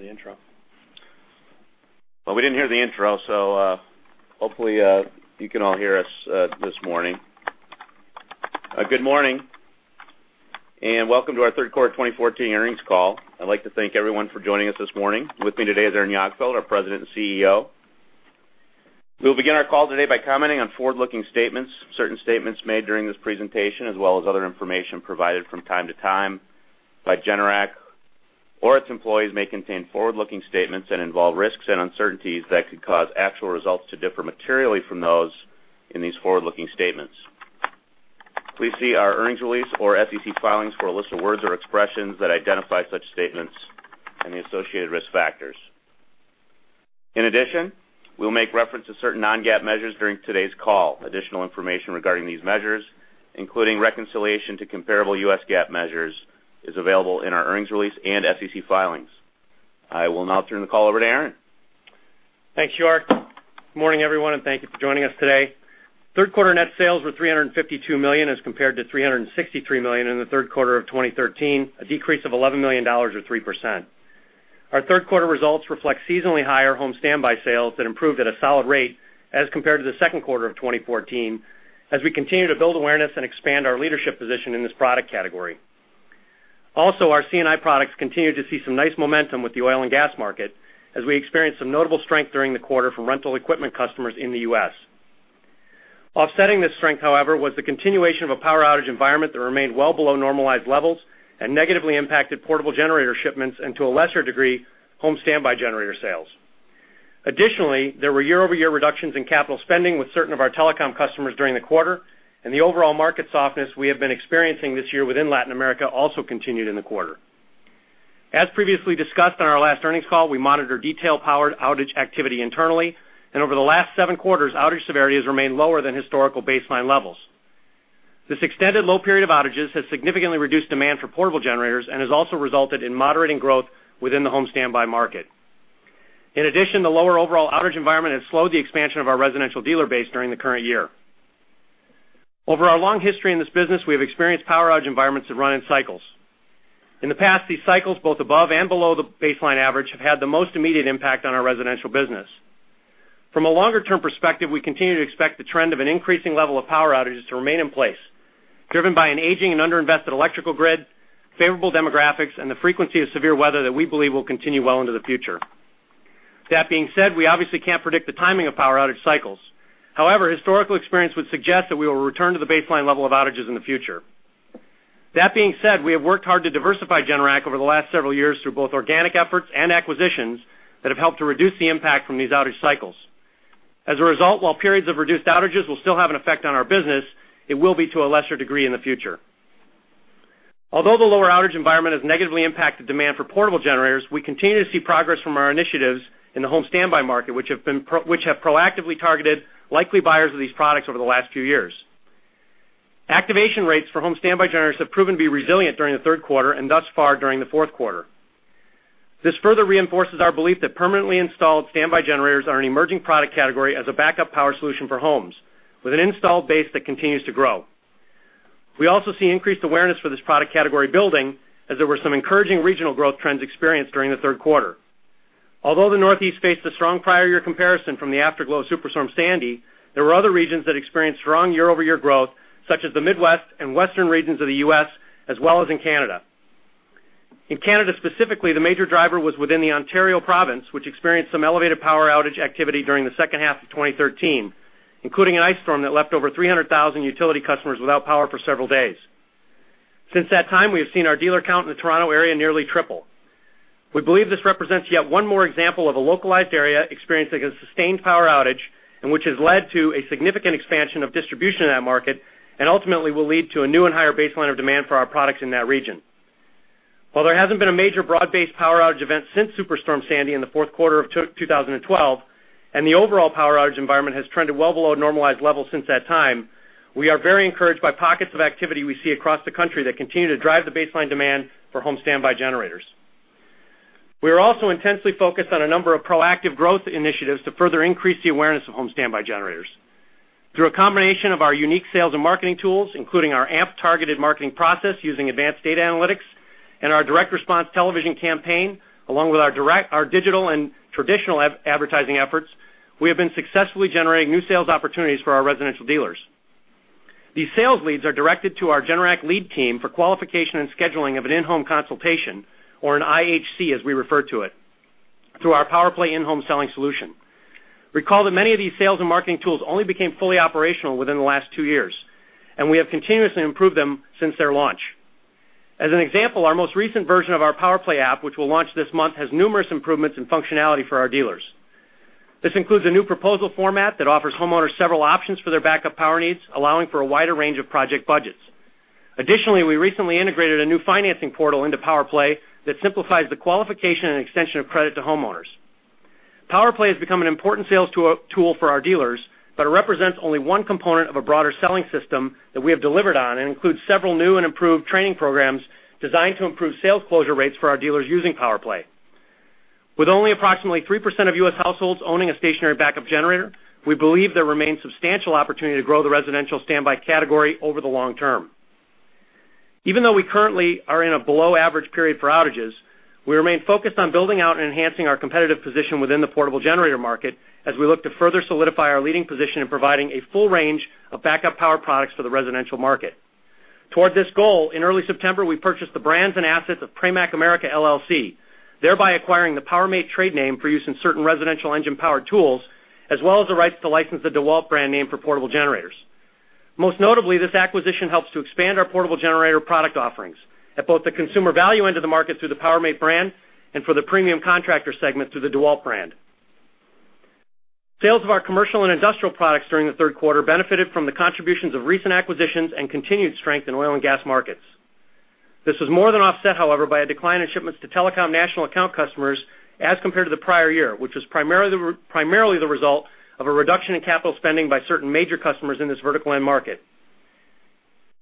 Didn't hear the intro. Well, we didn't hear the intro, so hopefully you can all hear us this morning. Good morning, welcome to our Third Quarter 2014 Earnings Call. I'd like to thank everyone for joining us this morning. With me today is Aaron Jagdfeld, our President and CEO. We will begin our call today by commenting on forward-looking statements. Certain statements made during this presentation, as well as other information provided from time to time by Generac or its employees, may contain forward-looking statements that involve risks and uncertainties that could cause actual results to differ materially from those in these forward-looking statements. Please see our earnings release or SEC filings for a list of words or expressions that identify such statements and the associated risk factors. In addition, we'll make reference to certain non-GAAP measures during today's call. Additional information regarding these measures, including reconciliation to comparable US GAAP measures, is available in our earnings release and SEC filings. I will now turn the call over to Aaron. Thanks, York. Good morning, everyone, thank you for joining us today. Third quarter net sales were $352 million as compared to $363 million in the third quarter of 2013, a decrease of $11 million or 3%. Our third quarter results reflect seasonally higher home standby sales that improved at a solid rate as compared to the second quarter of 2014, as we continue to build awareness and expand our leadership position in this product category. Also, our C&I products continued to see some nice momentum with the oil and gas market as we experienced some notable strength during the quarter from rental equipment customers in the U.S. Offsetting this strength, however, was the continuation of a power outage environment that remained well below normalized levels and negatively impacted portable generator shipments and, to a lesser degree, home standby generator sales. Additionally, there were year-over-year reductions in capital spending with certain of our telecom customers during the quarter, and the overall market softness we have been experiencing this year within Latin America also continued in the quarter. As previously discussed on our last earnings call, we monitor detailed powered outage activity internally, and over the last seven quarters, outage severity has remained lower than historical baseline levels. This extended low period of outages has significantly reduced demand for portable generators and has also resulted in moderating growth within the home standby market. In addition, the lower overall outage environment has slowed the expansion of our residential dealer base during the current year. Over our long history in this business, we have experienced power outage environments that run in cycles. In the past, these cycles, both above and below the baseline average, have had the most immediate impact on our residential business. From a longer-term perspective, we continue to expect the trend of an increasing level of power outages to remain in place, driven by an aging and underinvested electrical grid, favorable demographics, and the frequency of severe weather that we believe will continue well into the future. That being said, we obviously can't predict the timing of power outage cycles. However, historical experience would suggest that we will return to the baseline level of outages in the future. That being said, we have worked hard to diversify Generac over the last several years through both organic efforts and acquisitions that have helped to reduce the impact from these outage cycles. As a result, while periods of reduced outages will still have an effect on our business, it will be to a lesser degree in the future. Although the lower outage environment has negatively impacted demand for portable generators, we continue to see progress from our initiatives in the home standby market, which have proactively targeted likely buyers of these products over the last few years. Activation rates for home standby generators have proven to be resilient during the third quarter and thus far during the fourth quarter. This further reinforces our belief that permanently installed standby generators are an emerging product category as a backup power solution for homes with an installed base that continues to grow. We also see increased awareness for this product category building as there were some encouraging regional growth trends experienced during the third quarter. Although the Northeast faced a strong prior year comparison from the afterglow of Superstorm Sandy, there were other regions that experienced strong year-over-year growth, such as the Midwest and Western regions of the U.S., as well as in Canada. In Canada specifically, the major driver was within the Ontario province, which experienced some elevated power outage activity during the second half of 2013, including an ice storm that left over 300,000 utility customers without power for several days. Since that time, we have seen our dealer count in the Toronto area nearly triple. We believe this represents yet one more example of a localized area experiencing a sustained power outage and which has led to a significant expansion of distribution in that market and ultimately will lead to a new and higher baseline of demand for our products in that region. While there hasn't been a major broad-based power outage event since Superstorm Sandy in the fourth quarter of 2012, and the overall power outage environment has trended well below normalized levels since that time, we are very encouraged by pockets of activity we see across the country that continue to drive the baseline demand for home standby generators. We are also intensely focused on a number of proactive growth initiatives to further increase the awareness of home standby generators. Through a combination of our unique sales and marketing tools, including our AMP targeted marketing process using advanced data analytics and our direct response television campaign, along with our digital and traditional advertising efforts, we have been successfully generating new sales opportunities for our residential dealers. These sales leads are directed to our Generac Lead Team for qualification and scheduling of an in-home consultation or an IHC, as we refer to it, through our PowerPlay in-home selling solution. Recall that many of these sales and marketing tools only became fully operational within the last two years, and we have continuously improved them since their launch. As an example, our most recent version of our PowerPlay app, which we will launch this month, has numerous improvements in functionality for our dealers. This includes a new proposal format that offers homeowners several options for their backup power needs, allowing for a wider range of project budgets. Additionally, we recently integrated a new financing portal into PowerPlay that simplifies the qualification and extension of credit to homeowners. PowerPlay has become an important sales tool for our dealers, but it represents only one component of a broader selling system that we have delivered on and includes several new and improved training programs designed to improve sales closure rates for our dealers using PowerPlay. With only approximately 3% of U.S. households owning a stationary backup generator, we believe there remains substantial opportunity to grow the residential standby category over the long term. Even though we currently are in a below average period for outages, we remain focused on building out and enhancing our competitive position within the portable generator market as we look to further solidify our leading position in providing a full range of backup power products for the residential market. Toward this goal, in early September, we purchased the brands and assets of Pramac America LLC, thereby acquiring the PowerMate trade name for use in certain residential engine-powered tools, as well as the rights to license the DeWalt brand name for portable generators. Most notably, this acquisition helps to expand our portable generator product offerings at both the consumer value end of the market through the PowerMate brand and for the premium contractor segment through the DeWalt brand. Sales of our commercial and industrial products during the third quarter benefited from the contributions of recent acquisitions and continued strength in oil and gas markets. This was more than offset, however, by a decline in shipments to telecom national account customers as compared to the prior year, which was primarily the result of a reduction in capital spending by certain major customers in this vertical end market.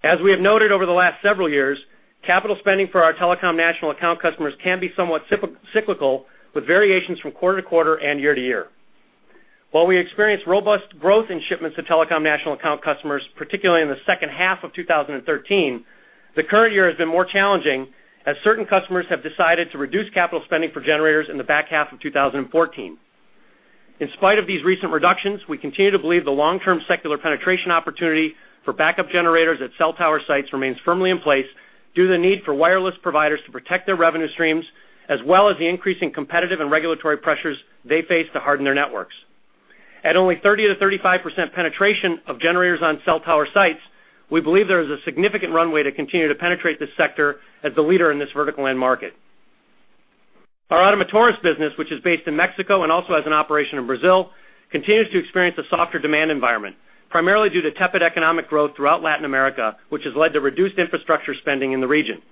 As we have noted over the last several years, capital spending for our telecom national account customers can be somewhat cyclical, with variations from quarter to quarter and year to year. While we experienced robust growth in shipments to telecom national account customers, particularly in the second half of 2013, the current year has been more challenging, as certain customers have decided to reduce capital spending for generators in the back half of 2014. In spite of these recent reductions, we continue to believe the long-term secular penetration opportunity for backup generators at cell tower sites remains firmly in place due to the need for wireless providers to protect their revenue streams, as well as the increasing competitive and regulatory pressures they face to harden their networks. At only 30%-35% penetration of generators on cell tower sites, we believe there is a significant runway to continue to penetrate this sector as the leader in this vertical end market. Our Ottomotores business, which is based in Mexico and also has an operation in Brazil, continues to experience a softer demand environment, primarily due to tepid economic growth throughout Latin America, which has led to reduced infrastructure spending in the region.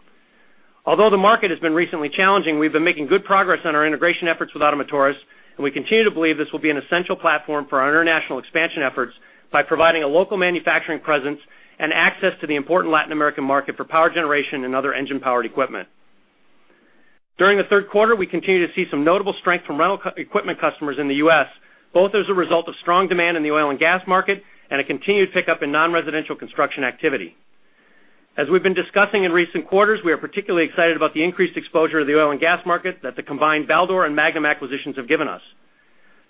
The market has been recently challenging, we've been making good progress on our integration efforts with Ottomotores, and we continue to believe this will be an essential platform for our international expansion efforts by providing a local manufacturing presence and access to the important Latin American market for power generation and other engine-powered equipment. During the third quarter, we continued to see some notable strength from rental equipment customers in the U.S., both as a result of strong demand in the oil and gas market and a continued pickup in non-residential construction activity. As we've been discussing in recent quarters, we are particularly excited about the increased exposure to the oil and gas market that the combined Baldor and Magnum acquisitions have given us.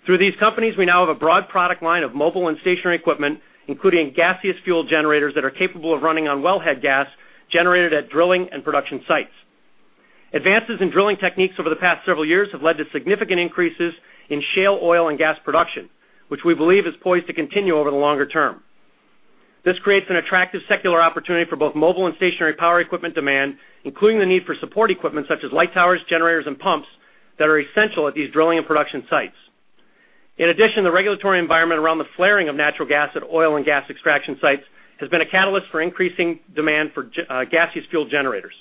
Through these companies, we now have a broad product line of mobile and stationary equipment, including gaseous fuel generators that are capable of running on wellhead gas generated at drilling and production sites. Advances in drilling techniques over the past several years have led to significant increases in shale oil and gas production, which we believe is poised to continue over the longer term. This creates an attractive secular opportunity for both mobile and stationary power equipment demand, including the need for support equipment such as light towers, generators, and pumps that are essential at these drilling and production sites. In addition, the regulatory environment around the flaring of natural gas at oil and gas extraction sites has been a catalyst for increasing demand for gaseous fuel generators.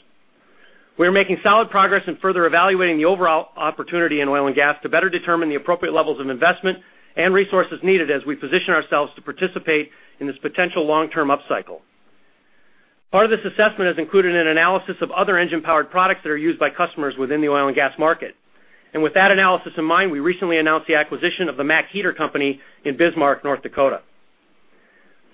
We are making solid progress in further evaluating the overall opportunity in oil and gas to better determine the appropriate levels of investment and resources needed as we position ourselves to participate in this potential long-term upcycle. Part of this assessment has included an analysis of other engine-powered products that are used by customers within the oil and gas market. With that analysis in mind, we recently announced the acquisition of the MAC Heater company in Bismarck, North Dakota.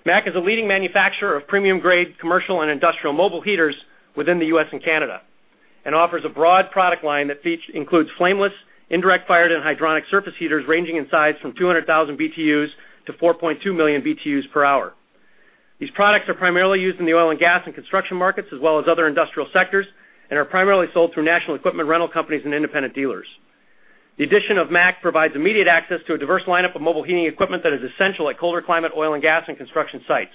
MAC is a leading manufacturer of premium grade commercial and industrial mobile heaters within the U.S. and Canada and offers a broad product line that includes flameless, indirect-fired, and hydronic surface heaters ranging in size from 200,000 BTUs-4.2 million BTUs per hour. These products are primarily used in the oil and gas and construction markets as well as other industrial sectors and are primarily sold through national equipment rental companies and independent dealers. The addition of MAC provides immediate access to a diverse lineup of mobile heating equipment that is essential at colder climate, oil and gas, and construction sites.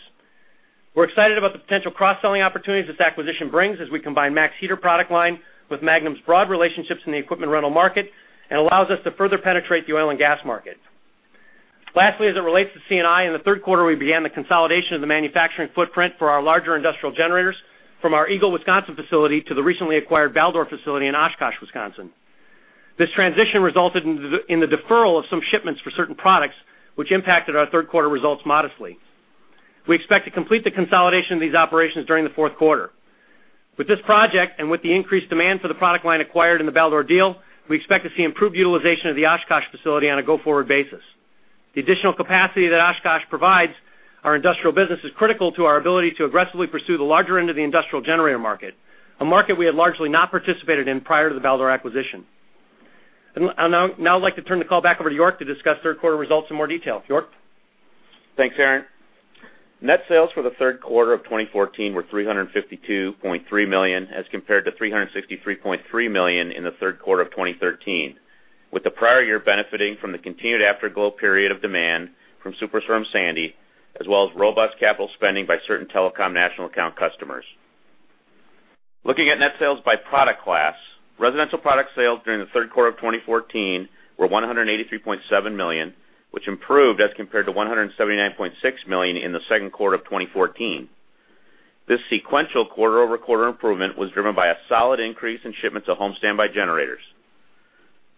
We're excited about the potential cross-selling opportunities this acquisition brings as we combine MAC's heater product line with Magnum's broad relationships in the equipment rental market and allows us to further penetrate the oil and gas market. Lastly, as it relates to C&I, in the third quarter, we began the consolidation of the manufacturing footprint for our larger industrial generators from our Eagle, Wisconsin facility to the recently acquired Baldor facility in Oshkosh, Wisconsin. This transition resulted in the deferral of some shipments for certain products, which impacted our third quarter results modestly. We expect to complete the consolidation of these operations during the fourth quarter. With this project and with the increased demand for the product line acquired in the Baldor deal, we expect to see improved utilization of the Oshkosh facility on a go-forward basis. The additional capacity that Oshkosh provides our industrial business is critical to our ability to aggressively pursue the larger end of the industrial generator market, a market we had largely not participated in prior to the Baldor acquisition. I'd now like to turn the call back over to York to discuss third quarter results in more detail. York? Thanks, Aaron. Net sales for the third quarter of 2014 were $352.3 million as compared to $363.3 million in the third quarter of 2013, with the prior year benefiting from the continued afterglow period of demand from Superstorm Sandy, as well as robust capital spending by certain telecom national account customers. Looking at net sales by product class, residential product sales during the third quarter of 2014 were $183.7 million, which improved as compared to $179.6 million in the second quarter of 2014. This sequential quarter-over-quarter improvement was driven by a solid increase in shipments of home standby generators.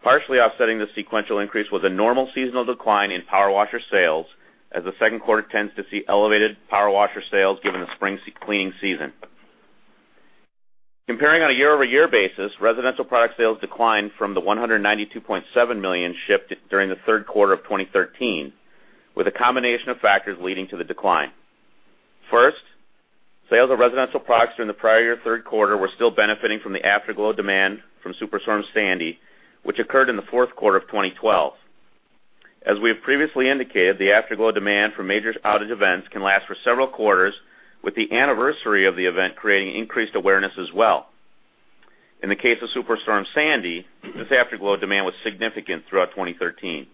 Partially offsetting this sequential increase was a normal seasonal decline in power washer sales, as the second quarter tends to see elevated power washer sales given the spring cleaning season. Comparing on a year-over-year basis, residential product sales declined from the $192.7 million shipped during the third quarter of 2013, with a combination of factors leading to the decline. First, sales of residential products during the prior year third quarter were still benefiting from the afterglow demand from Superstorm Sandy, which occurred in the fourth quarter of 2012. As we have previously indicated, the afterglow demand from major outage events can last for several quarters, with the anniversary of the event creating increased awareness as well. In the case of Superstorm Sandy, this afterglow demand was significant throughout 2013.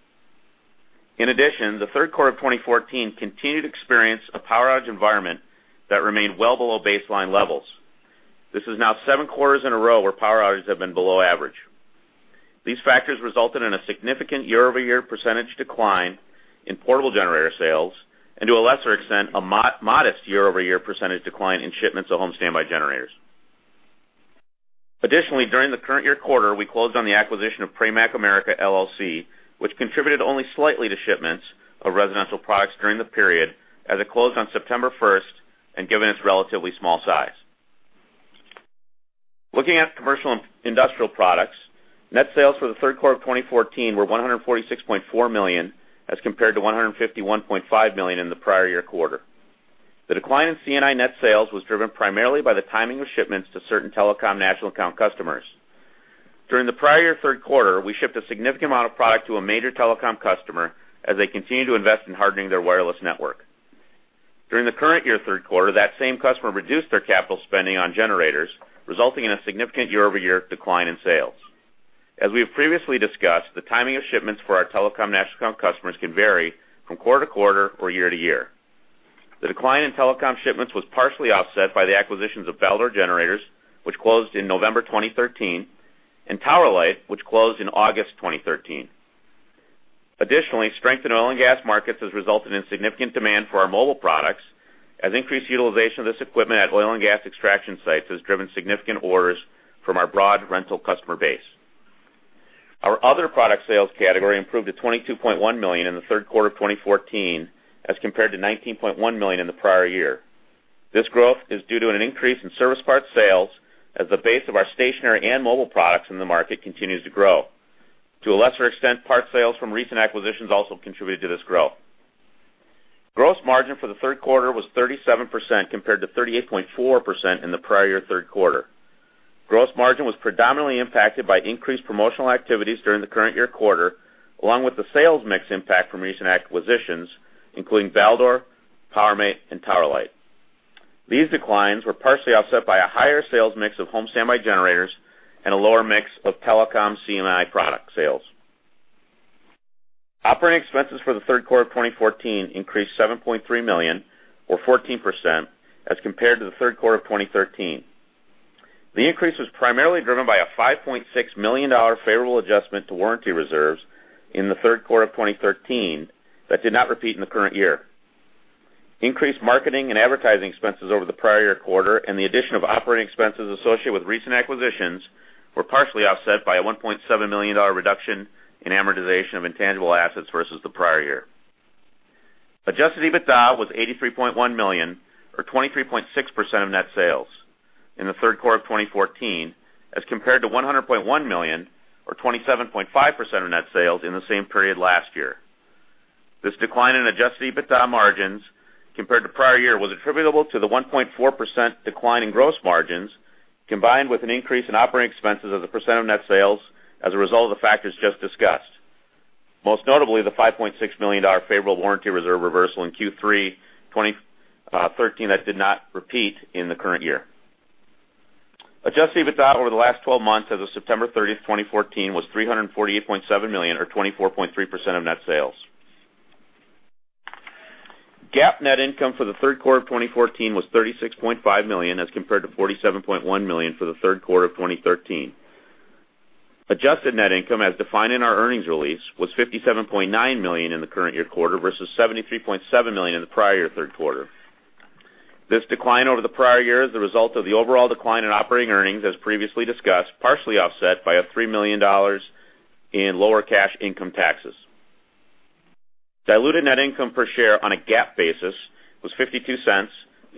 In addition, the third quarter of 2014 continued to experience a power outage environment that remained well below baseline levels. This is now seven quarters in a row where power outages have been below average. These factors resulted in a significant year-over-year percentage decline in portable generator sales, and to a lesser extent, a modest year-over-year percentage decline in shipments of home standby generators. Additionally, during the current year quarter, we closed on the acquisition of Pramac America LLC, which contributed only slightly to shipments of residential products during the period, as it closed on September 1st and given its relatively small size. Looking at commercial and industrial products, net sales for the third quarter of 2014 were $146.4 million as compared to $151.5 million in the prior year quarter. The decline in C&I net sales was driven primarily by the timing of shipments to certain telecom national account customers. During the prior year third quarter, we shipped a significant amount of product to a major telecom customer as they continued to invest in hardening their wireless network. During the current year third quarter, that same customer reduced their capital spending on generators, resulting in a significant year-over-year decline in sales. As we have previously discussed, the timing of shipments for our telecom national account customers can vary from quarter-to-quarter or year-to-year. The decline in telecom shipments was partially offset by the acquisitions of Baldor Generators, which closed in November 2013, and Tower Light, which closed in August 2013. Additionally, strength in oil and gas markets has resulted in significant demand for our mobile products, as increased utilization of this equipment at oil and gas extraction sites has driven significant orders from our broad rental customer base. Our other product sales category improved to $22.1 million in the third quarter of 2014, as compared to $19.1 million in the prior year. This growth is due to an increase in service parts sales as the base of our stationary and mobile products in the market continues to grow. To a lesser extent, parts sales from recent acquisitions also contributed to this growth. Gross margin for the third quarter was 37%, compared to 38.4% in the prior year third quarter. Gross margin was predominantly impacted by increased promotional activities during the current year quarter, along with the sales mix impact from recent acquisitions, including Baldor, PowerMate, and Tower Light. These declines were partially offset by a higher sales mix of home standby generators and a lower mix of telecom C&I product sales. Operating expenses for the third quarter of 2014 increased $7.3 million, or 14%, as compared to the third quarter of 2013. The increase was primarily driven by a $5.6 million favorable adjustment to warranty reserves in the third quarter of 2013 that did not repeat in the current year. Increased marketing and advertising expenses over the prior year quarter and the addition of operating expenses associated with recent acquisitions were partially offset by a $1.7 million reduction in amortization of intangible assets versus the prior year. Adjusted EBITDA was $83.1 million, or 23.6% of net sales in the third quarter of 2014, as compared to $100.1 million, or 27.5% of net sales, in the same period last year. This decline in Adjusted EBITDA margins compared to prior year was attributable to the 1.4% decline in gross margins, combined with an increase in operating expenses as a percent of net sales as a result of the factors just discussed. Most notably, the $5.6 million favorable warranty reserve reversal in Q3 2013 that did not repeat in the current year. Adjusted EBITDA over the last 12 months as of September 30, 2014, was $348.7 million, or 24.3% of net sales. GAAP net income for the third quarter of 2014 was $36.5 million, as compared to $47.1 million for the third quarter of 2013. Adjusted net income, as defined in our earnings release, was $57.9 million in the current year quarter versus $73.7 million in the prior year third quarter. This decline over the prior year is the result of the overall decline in operating earnings, as previously discussed, partially offset by a $3 million in lower cash income taxes. Diluted net income per share on a GAAP basis was $0.52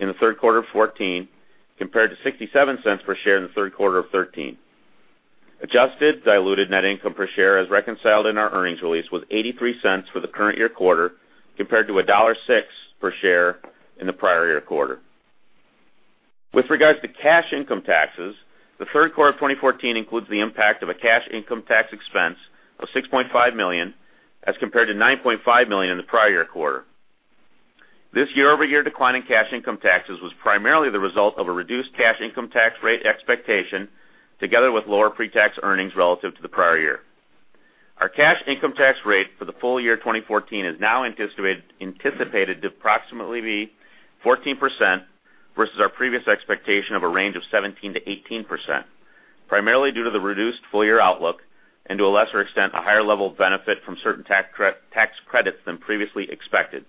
in the third quarter of 2014, compared to $0.67 per share in the third quarter of 2013. Adjusted diluted net income per share, as reconciled in our earnings release, was $0.83 for the current year quarter, compared to $1.06 per share in the prior year quarter. With regards to cash income taxes, the third quarter of 2014 includes the impact of a cash income tax expense of $6.5 million, as compared to $9.5 million in the prior year quarter. This year-over-year decline in cash income taxes was primarily the result of a reduced cash income tax rate expectation, together with lower pre-tax earnings relative to the prior year. Our cash income tax rate for the full year 2014 is now anticipated to approximately be 14% versus our previous expectation of a range of 17%-18%, primarily due to the reduced full year outlook and, to a lesser extent, a higher level of benefit from certain tax credits than previously expected.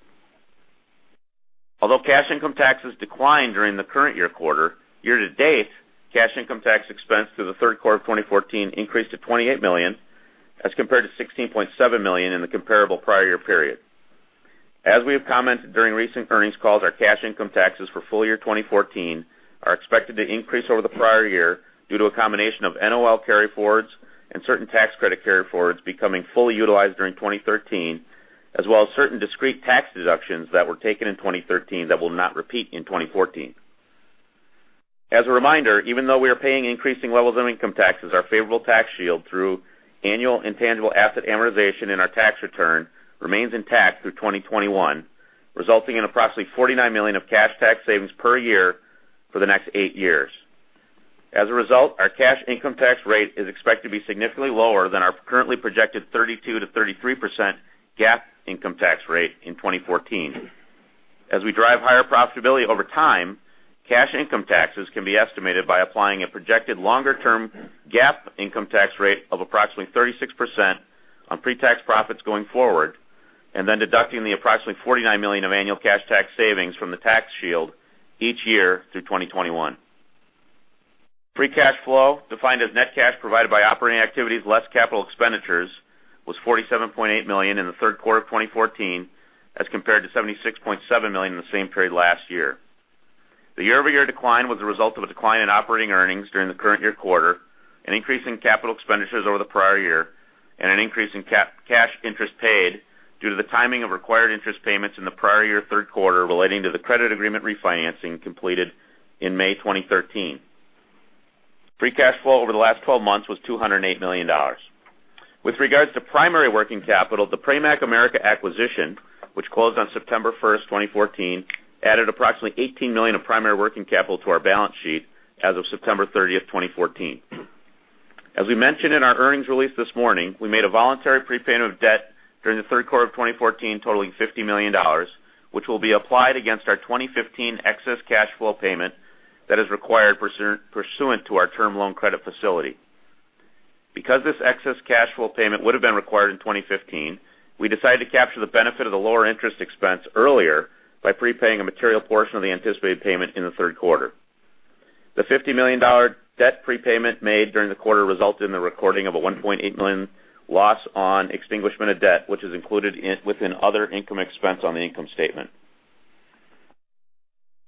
Although cash income taxes declined during the current year quarter, year-to-date, cash income tax expense through the third quarter of 2014 increased to $28 million, as compared to $16.7 million in the comparable prior year period. As we have commented during recent earnings calls, our cash income taxes for full year 2014 are expected to increase over the prior year due to a combination of NOL carryforwards and certain tax credit carryforwards becoming fully utilized during 2013, as well as certain discrete tax deductions that were taken in 2013 that will not repeat in 2014. As a reminder, even though we are paying increasing levels of income taxes, our favorable tax shield through annual intangible asset amortization in our tax return remains intact through 2021, resulting in approximately $49 million of cash tax savings per year for the next eight years. As a result, our cash income tax rate is expected to be significantly lower than our currently projected 32%-33% GAAP income tax rate in 2014. As we drive higher profitability over time, cash income taxes can be estimated by applying a projected longer-term GAAP income tax rate of approximately 36% on pre-tax profits going forward, then deducting the approximately $49 million of annual cash tax savings from the tax shield each year through 2021. Free cash flow, defined as net cash provided by operating activities less capital expenditures, was $47.8 million in the third quarter of 2014 as compared to $76.7 million in the same period last year. The year-over-year decline was the result of a decline in operating earnings during the current year quarter, an increase in capital expenditures over the prior year, and an increase in cash interest paid due to the timing of required interest payments in the prior year third quarter relating to the credit agreement refinancing completed in May 2013. Free cash flow over the last 12 months was $208 million. With regards to primary working capital, the Pramac America acquisition, which closed on September 1st, 2014, added approximately $18 million of primary working capital to our balance sheet as of September 30th, 2014. As we mentioned in our earnings release this morning, we made a voluntary prepayment of debt during the third quarter of 2014 totaling $50 million, which will be applied against our 2015 excess cash flow payment that is required pursuant to our term loan credit facility. Because this excess cash flow payment would have been required in 2015, we decided to capture the benefit of the lower interest expense earlier by prepaying a material portion of the anticipated payment in the third quarter. The $50 million debt prepayment made during the quarter resulted in the recording of a $1.8 million loss on extinguishment of debt, which is included within other income expense on the income statement.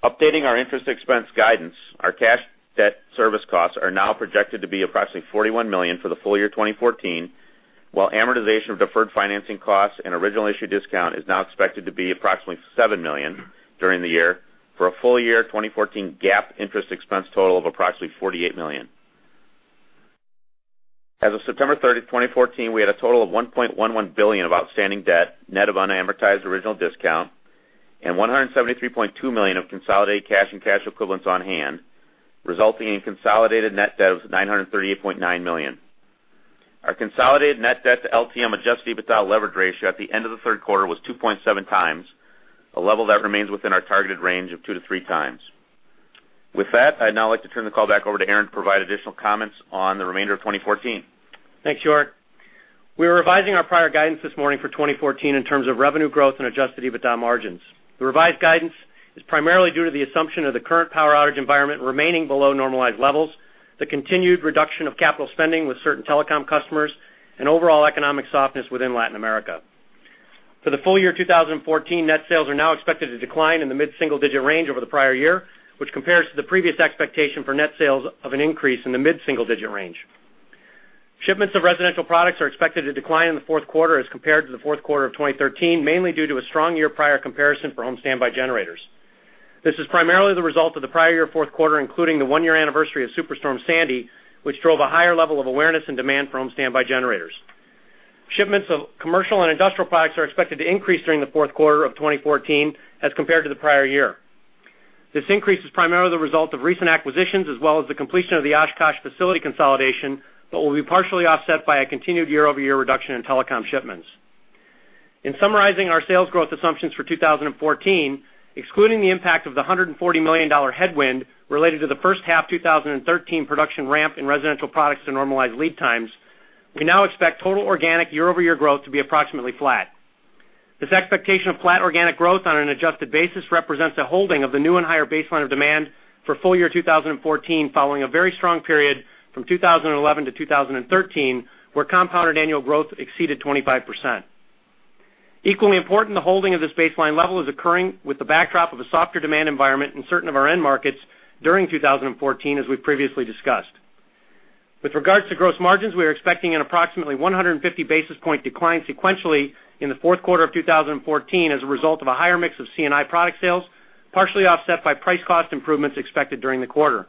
Updating our interest expense guidance, our cash debt service costs are now projected to be approximately $41 million for the full year 2014, while amortization of deferred financing costs and original issue discount is now expected to be approximately $7 million during the year for a full year 2014 GAAP interest expense total of approximately $48 million. As of September 30th, 2014, we had a total of $1.11 billion of outstanding debt, net of unamortized original discount, and $173.2 million of consolidated cash and cash equivalents on hand, resulting in consolidated net debt of $938.9 million. Our consolidated net debt to LTM Adjusted EBITDA leverage ratio at the end of the third quarter was 2.7x, a level that remains within our targeted range of 2x-3x. With that, I'd now like to turn the call back over to Aaron to provide additional comments on the remainder of 2014. Thanks, York. We are revising our prior guidance this morning for 2014 in terms of revenue growth and Adjusted EBITDA margins. The revised guidance is primarily due to the assumption of the current power outage environment remaining below normalized levels, the continued reduction of capital spending with certain telecom customers, and overall economic softness within Latin America. For the full year 2014, net sales are now expected to decline in the mid-single digit range over the prior year, which compares to the previous expectation for net sales of an increase in the mid-single digit range. Shipments of residential products are expected to decline in the fourth quarter as compared to the fourth quarter of 2013, mainly due to a strong year prior comparison for home standby generators. This is primarily the result of the prior year fourth quarter, including the one-year anniversary of Superstorm Sandy, which drove a higher level of awareness and demand for home standby generators. Shipments of commercial and industrial products are expected to increase during the fourth quarter of 2014 as compared to the prior year. This increase is primarily the result of recent acquisitions as well as the completion of the Oshkosh facility consolidation, but will be partially offset by a continued year-over-year reduction in telecom shipments. In summarizing our sales growth assumptions for 2014, excluding the impact of the $140 million headwind related to the first half 2013 production ramp in residential products to normalize lead times, we now expect total organic year-over-year growth to be approximately flat. This expectation of flat organic growth on an adjusted basis represents a holding of the new and higher baseline of demand for full year 2014, following a very strong period from 2011 to 2013, where compounded annual growth exceeded 25%. Equally important, the holding of this baseline level is occurring with the backdrop of a softer demand environment in certain of our end markets during 2014, as we've previously discussed. With regards to gross margins, we are expecting an approximately 150 basis point decline sequentially in the fourth quarter of 2014 as a result of a higher mix of C&I product sales, partially offset by price cost improvements expected during the quarter.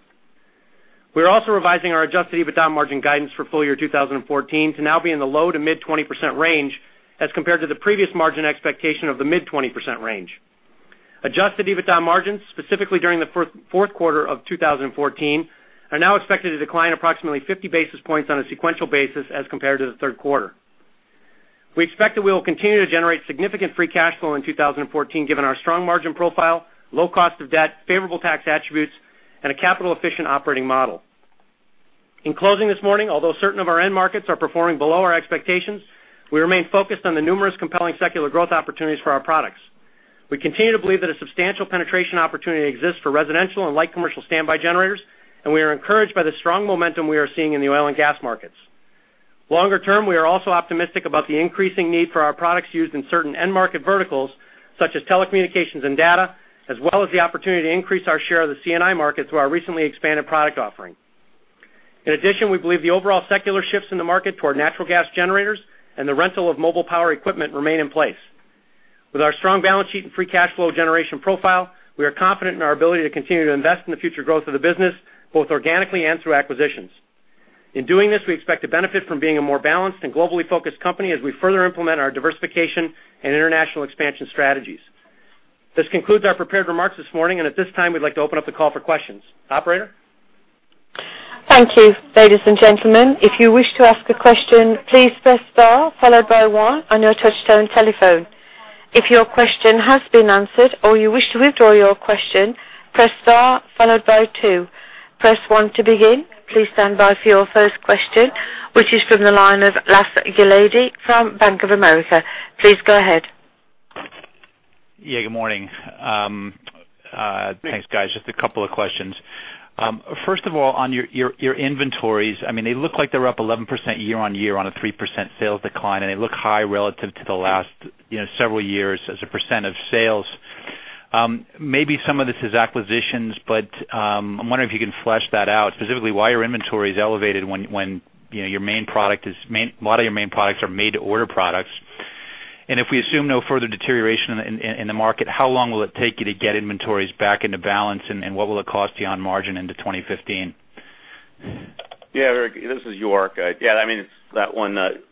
We are also revising our Adjusted EBITDA margin guidance for full year 2014 to now be in the low to mid 20% range as compared to the previous margin expectation of the mid 20% range. Adjusted EBITDA margins, specifically during the fourth quarter of 2014, are now expected to decline approximately 50 basis points on a sequential basis as compared to the third quarter. We expect that we will continue to generate significant free cash flow in 2014, given our strong margin profile, low cost of debt, favorable tax attributes, and a capital efficient operating model. In closing this morning, although certain of our end markets are performing below our expectations, we remain focused on the numerous compelling secular growth opportunities for our products. We continue to believe that a substantial penetration opportunity exists for residential and light commercial standby generators, and we are encouraged by the strong momentum we are seeing in the oil and gas markets. Longer term, we are also optimistic about the increasing need for our products used in certain end market verticals, such as telecommunications and data, as well as the opportunity to increase our share of the C&I market through our recently expanded product offering. In addition, we believe the overall secular shifts in the market toward natural gas generators and the rental of mobile power equipment remain in place. With our strong balance sheet and free cash flow generation profile, we are confident in our ability to continue to invest in the future growth of the business, both organically and through acquisitions. In doing this, we expect to benefit from being a more balanced and globally focused company as we further implement our diversification and international expansion strategies. This concludes our prepared remarks this morning, and at this time, we'd like to open up the call for questions. Operator? Thank you. Ladies and gentlemen, if you wish to ask a question, please press star followed by one on your touch-tone telephone. If your question has been answered or you wish to withdraw your question, press star followed by two. Press one to begin. Please stand by for your first question, which is from the line of Ross Gilardi from Bank of America. Please go ahead. Yeah, good morning. Thanks. Thanks, guys. Just a couple of questions. First of all, on your inventories, they look like they're up 11% year-over-year on a 3% sales decline, and they look high relative to the last several years as a percent of sales. Maybe some of this is acquisitions. I'm wondering if you can flesh that out, specifically why your inventory is elevated when a lot of your main products are made to order products. If we assume no further deterioration in the market, how long will it take you to get inventories back into balance, and what will it cost you on margin into 2015? Yeah, Ross, this is York. Yeah,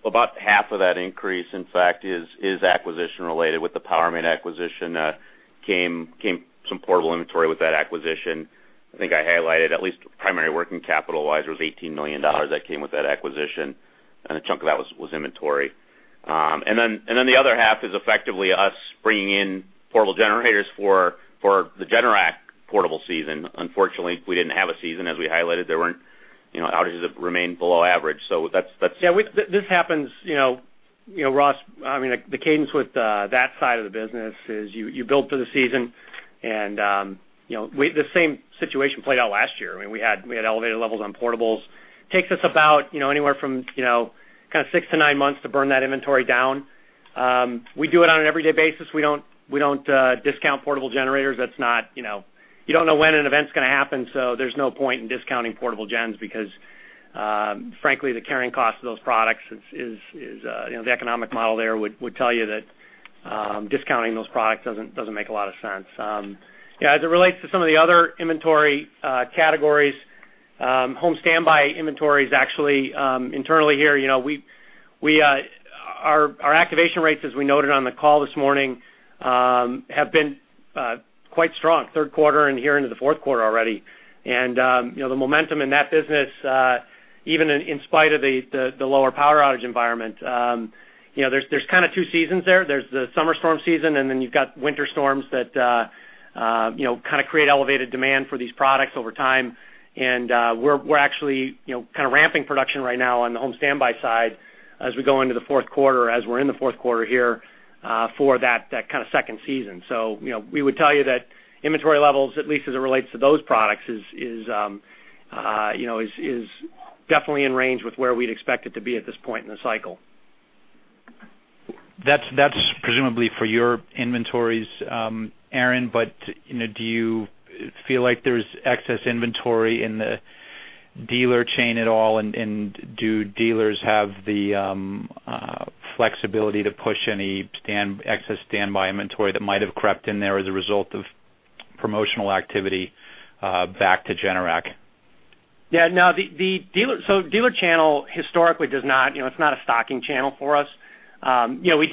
about half of that increase, in fact, is acquisition related with the PowerMate acquisition. Came some portable inventory with that acquisition. I think I highlighted at least primary working capital-wise, there was $18 million that came with that acquisition, and a chunk of that was inventory. The other half is effectively us bringing in portable generators for the Generac portable season. Unfortunately, we didn't have a season, as we highlighted. Outages have remained below average. Yeah, this happens, Ross. The cadence with that side of the business is you build for the season. The same situation played out last year. We had elevated levels on portables. Takes us about anywhere from 6 to 9 months to burn that inventory down. We do it on an everyday basis. We don't discount portable generators. You don't know when an event's going to happen. There's no point in discounting portable gens because, frankly, the carrying cost of those products, the economic model there would tell you that discounting those products doesn't make a lot of sense. Yeah, as it relates to some of the other inventory categories, home standby inventory is actually internally here. Our activation rates, as we noted on the call this morning, have been quite strong, third quarter and here into the fourth quarter already. The momentum in that business, even in spite of the lower power outage environment. There's kind of two seasons there. There's the summer storm season. You've got winter storms that kind of create elevated demand for these products over time. We're actually kind of ramping production right now on the home standby side as we go into the fourth quarter, as we're in the fourth quarter here, for that kind of second season. We would tell you that inventory levels, at least as it relates to those products, is definitely in range with where we'd expect it to be at this point in the cycle. That's presumably for your inventories, Aaron, do you feel like there's excess inventory in the dealer chain at all? Do dealers have the flexibility to push any excess standby inventory that might have crept in there as a result of promotional activity back to Generac? Yeah. Dealer channel historically, it's not a stocking channel for us. You have 5,000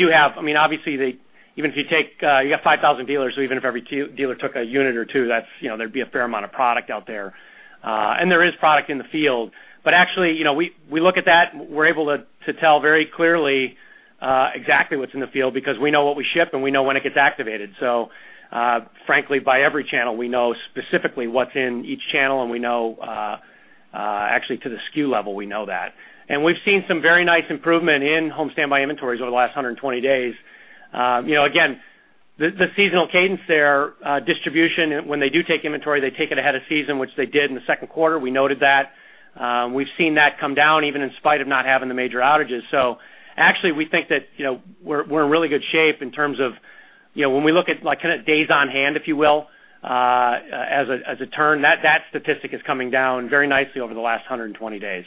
dealers, even if every dealer took a unit or two, there'd be a fair amount of product out there. There is product in the field. Actually, we look at that, we're able to tell very clearly exactly what's in the field because we know what we ship, and we know when it gets activated. Frankly, by every channel, we know specifically what's in each channel, and actually to the SKU level, we know that. We've seen some very nice improvement in home standby inventories over the last 120 days. Again, the seasonal cadence there, distribution, when they do take inventory, they take it ahead of season, which they did in the second quarter. We noted that. We've seen that come down even in spite of not having the major outages. Actually, we think that we're in really good shape in terms of when we look at kind of days on hand, if you will, as a turn, that statistic is coming down very nicely over the last 120 days.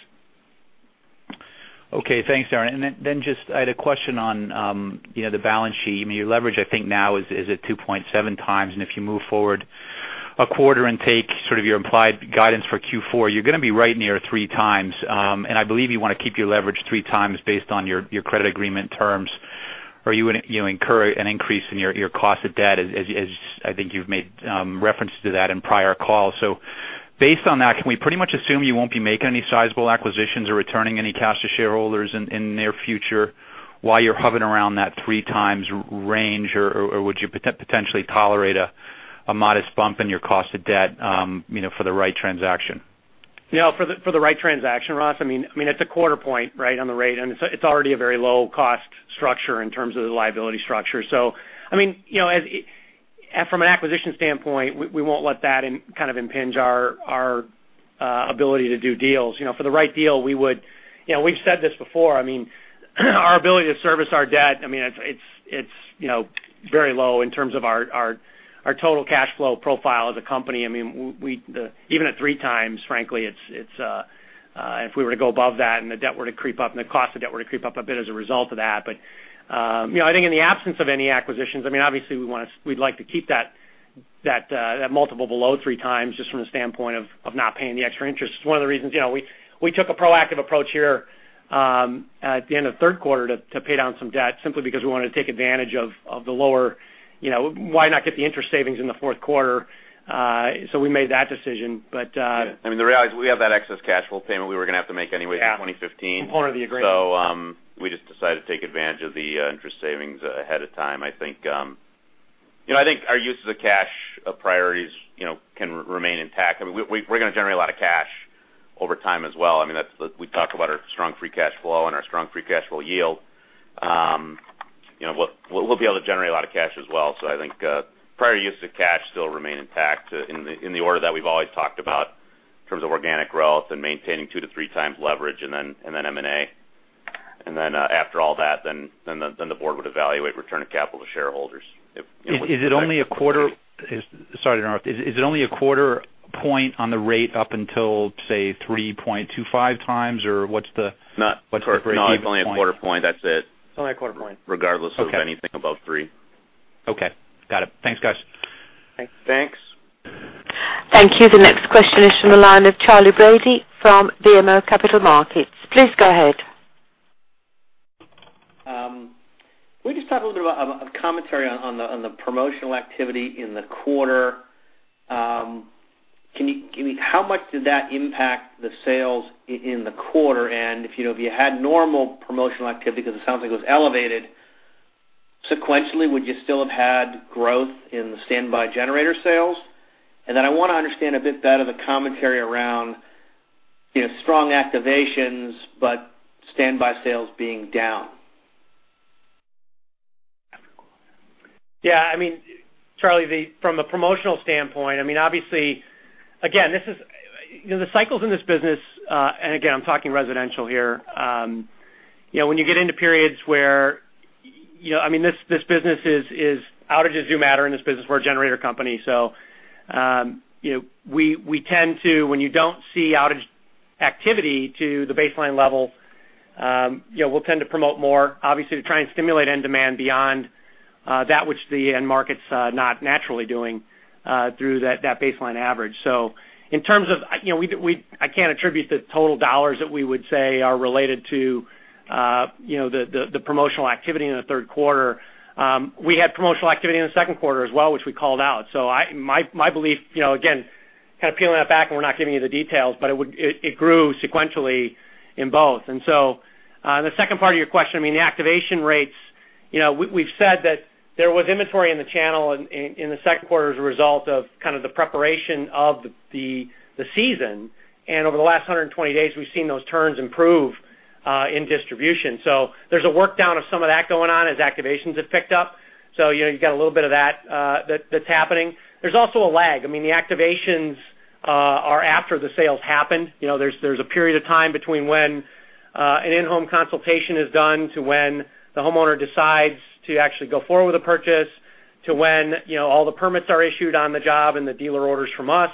Okay, thanks, Aaron, I had a question on the balance sheet. Your leverage, I think now is at 2.7x, if you move forward a quarter and take sort of your implied guidance for Q4, you're going to be right near 3x. I believe you want to keep your leverage 3x based on your credit agreement terms, or you incur an increase in your cost of debt as I think you've made reference to that in prior calls. Based on that, can we pretty much assume you won't be making any sizable acquisitions or returning any cash to shareholders in the near future while you're hovering around that 3x range, or would you potentially tolerate a modest bump in your cost of debt for the right transaction? Yeah, for the right transaction, Ross, it's a quarter point on the rate, and it's already a very low cost structure in terms of the liability structure. From an acquisition standpoint, we won't let that impinge our ability to do deals. For the right deal, we would. We've said this before, our ability to service our debt, it's very low in terms of our total cash flow profile as a company. Even at 3x, frankly, if we were to go above that and the debt were to creep up, and the cost of debt were to creep up a bit as a result of that. I think in the absence of any acquisitions, obviously we'd like to keep that multiple below 3x just from the standpoint of not paying the extra interest. It's one of the reasons we took a proactive approach here at the end of third quarter to pay down some debt, simply because we wanted to take advantage of the lower. Why not get the interest savings in the fourth quarter? We made that decision. Yeah. The reality is we have that excess cash flow payment we were going to have to make anyway for 2015. Yeah. Component of the agreement. We just decided to take advantage of the interest savings ahead of time. I think our uses of cash priorities can remain intact. We're going to generate a lot of cash over time as well. We talk about our strong free cash flow and our strong free cash flow yield. We'll be able to generate a lot of cash as well. I think prior uses of cash still remain intact in the order that we've always talked about in terms of organic growth and maintaining two to three times leverage, then M&A. Then after all that, then the board would evaluate return of capital to shareholders. Is it only a quarter? Sorry to interrupt. Is it only a quarter point on the rate up until, say, 3.25x? What's the break-even point? No, it's only a quarter point. That's it. It's only a quarter point. Regardless of anything above three. Okay. Got it. Thanks, guys. Thanks. Thanks. Thank you. The next question is from the line of Charles Brady from BMO Capital Markets. Please go ahead. Will you just talk a little bit about commentary on the promotional activity in the quarter? How much did that impact the sales in the quarter? If you had normal promotional activity, because it sounds like it was elevated sequentially, would you still have had growth in the standby generator sales? I want to understand a bit better the commentary around strong activations, but standby sales being down. Yeah. Charles, from a promotional standpoint, obviously, the cycles in this business, and again, I'm talking residential here. This business is outages do matter in this business. We're a generator company. We tend to, when you don't see outage activity to the baseline level, we'll tend to promote more obviously to try and stimulate end demand beyond that which the end market's not naturally doing through that baseline average. I can't attribute the total dollars that we would say are related to the promotional activity in the third quarter. We had promotional activity in the second quarter as well, which we called out. My belief, again, kind of peeling that back, and we're not giving you the details, but it grew sequentially in both. The second part of your question, the activation rates. We've said that there was inventory in the channel in the second quarter as a result of the preparation of the season. Over the last 120 days, we've seen those turns improve in distribution. There's a work down of some of that going on as activations have picked up. You've got a little bit of that's happening. There's also a lag. The activations are after the sales happened. There's a period of time between when an in-home consultation is done to when the homeowner decides to actually go forward with a purchase, to when all the permits are issued on the job and the dealer orders from us,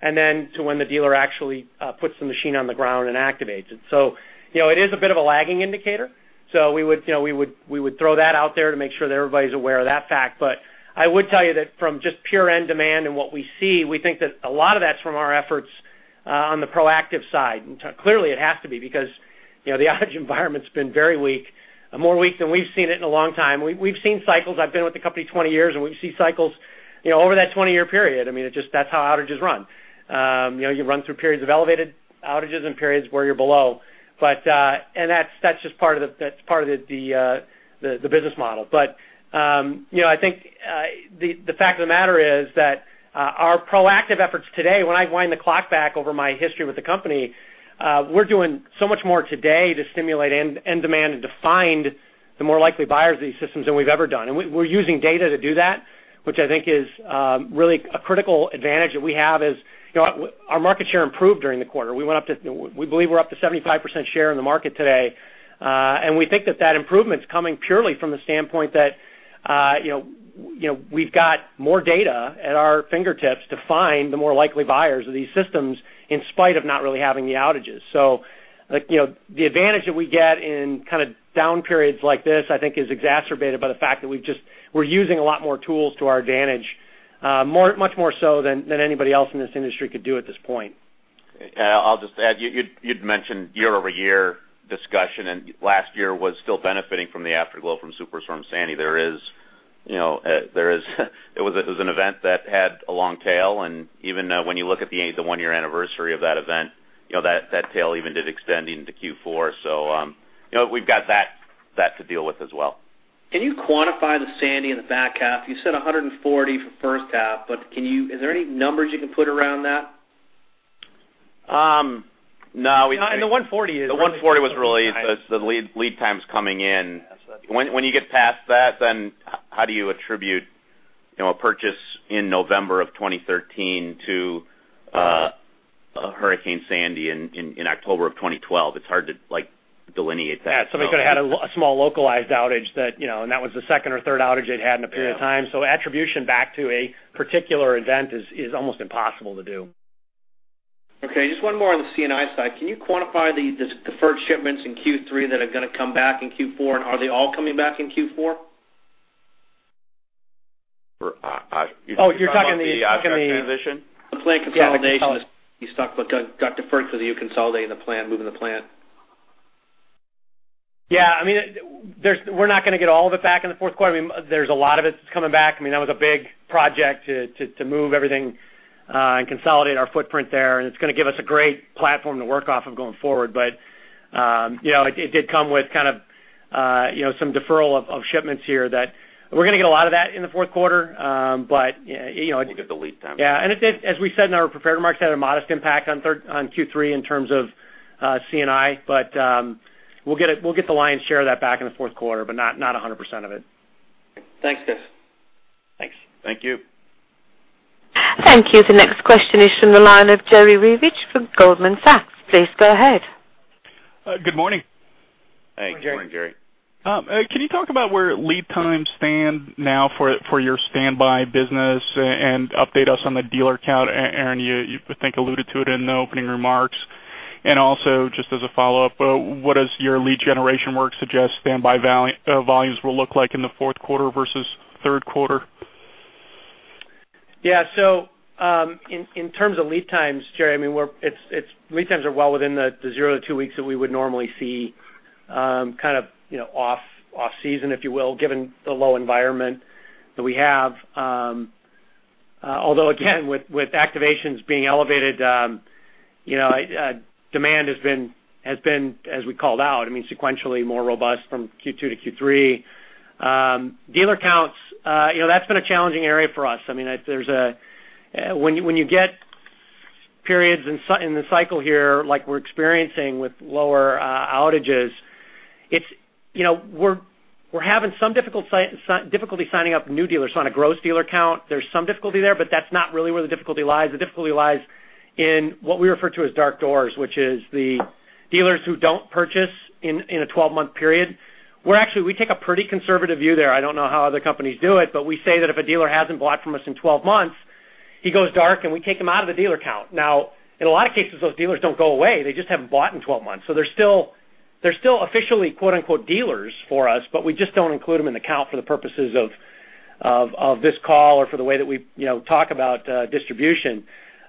and then to when the dealer actually puts the machine on the ground and activates it. It is a bit of a lagging indicator. We would throw that out there to make sure that everybody's aware of that fact. I would tell you that from just pure end demand and what we see, we think that a lot of that's from our efforts on the proactive side. Clearly, it has to be because the outage environment's been very weak, more weak than we've seen it in a long time. We've seen cycles. I've been with the company 20 years, and we've seen cycles over that 20-year period. That's how outages run. You run through periods of elevated outages and periods where you're below. That's just part of the business model. I think the fact of the matter is that our proactive efforts today, when I wind the clock back over my history with the company, we're doing so much more today to stimulate end demand and to find the more likely buyers of these systems than we've ever done. We're using data to do that, which I think is really a critical advantage that we have is our market share improved during the quarter. We believe we're up to 75% share in the market today. We think that that improvement's coming purely from the standpoint that we've got more data at our fingertips to find the more likely buyers of these systems in spite of not really having the outages. The advantage that we get in down periods like this, I think is exacerbated by the fact that we're using a lot more tools to our advantage, much more so than anybody else in this industry could do at this point. I'll just add. You'd mentioned year-over-year discussion, and last year was still benefiting from the afterglow from Superstorm Sandy. It was an event that had a long tail, and even when you look at the one-year anniversary of that event, that tail even did extend into Q4. We've got that to deal with as well. Can you quantify the Sandy in the back half? You said $140 for first half, is there any numbers you can put around that? No. The $140 is really. The 140 was really the lead times coming in. When you get past that, how do you attribute a purchase in November 2013 to Hurricane Sandy in October 2012? It's hard to delineate that. Yeah. Somebody could have had a small localized outage, and that was the second or third outage they'd had in a period of time. Yeah. Attribution back to a particular event is almost impossible to do. Okay, just one more on the C&I side. Can you quantify the deferred shipments in Q3 that are going to come back in Q4? Are they all coming back in Q4? Are you talking about the asset transition? You're talking. The plant consolidation. You talked about, got deferred because of you consolidating the plant, moving the plant. Yeah. We're not going to get all of it back in the fourth quarter. There's a lot of it that's coming back. That was a big project to move everything and consolidate our footprint there, and it's going to give us a great platform to work off of going forward. It did come with some deferral of shipments here that we're going to get a lot of that in the fourth quarter. I think it's a lead time. Yes. As we said in our prepared remarks, it had a modest impact on Q3 in terms of C&I, but we'll get the lion's share of that back in the fourth quarter, but not 100% of it. Thanks, guys. Thanks. Thank you. Thank you. The next question is from the line of Jerry Revich from Goldman Sachs. Please go ahead. Good morning. Hey, good morning, Jerry. Morning. Can you talk about where lead times stand now for your standby business and update us on the dealer count? Aaron, you, I think, alluded to it in the opening remarks. Also, just as a follow-up, what does your lead generation work suggest standby volumes will look like in the fourth quarter versus third quarter? Yeah. In terms of lead times, Jerry, lead times are well within the zero to two weeks that we would normally see off-season, if you will, given the low environment that we have. Although, again, with activations being elevated, demand has been, as we called out, sequentially more robust from Q2 to Q3. Dealer counts, that's been a challenging area for us. When you get periods in the cycle here like we're experiencing with lower outages, we're having some difficulty signing up new dealers. On a gross dealer count, there's some difficulty there, but that's not really where the difficulty lies. The difficulty lies in what we refer to as dark doors, which is the dealers who don't purchase in a 12-month period. We take a pretty conservative view there. I don't know how other companies do it, we say that if a dealer hasn't bought from us in 12 months, he goes dark, and we take him out of the dealer count. Now, in a lot of cases, those dealers don't go away. They just haven't bought in 12 months. They're still officially "dealers" for us, but we just don't include them in the count for the purposes of this call or for the way that we talk about distribution.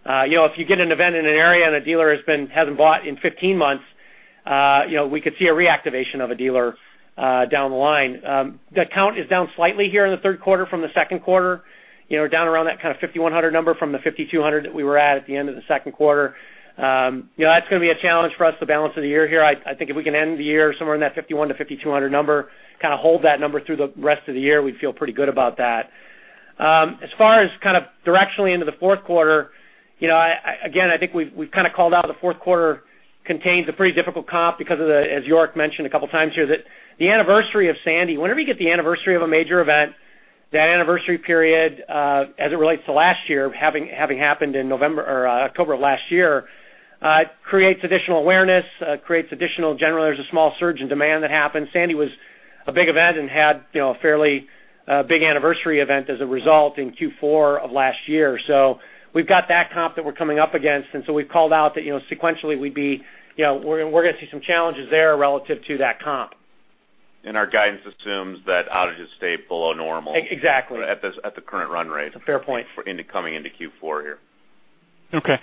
If you get an event in an area and a dealer hasn't bought in 15 months, we could see a reactivation of a dealer down the line. The count is down slightly here in the third quarter from the second quarter, down around that 5,100 number from the 5,200 that we were at the end of the second quarter. That's going to be a challenge for us the balance of the year here. I think if we can end the year somewhere in that 5,100-5,200 number, kind of hold that number through the rest of the year, we'd feel pretty good about that. As far as directionally into the fourth quarter, again, I think we've kind of called out the fourth quarter contains a pretty difficult comp because of the, as York mentioned a couple of times here, that the anniversary of Sandy. Whenever you get the anniversary of a major event, that anniversary period, as it relates to last year, having happened in October of last year, it creates additional awareness, creates additional, generally, there's a small surge in demand that happens. Sandy was a big event and had a fairly big anniversary event as a result in Q4 of last year. We've got that comp that we're coming up against, we've called out that sequentially we're going to see some challenges there relative to that comp. Our guidance assumes that outages stay below normal. Exactly At the current run rate. That's a fair point. coming into Q4 here. Okay.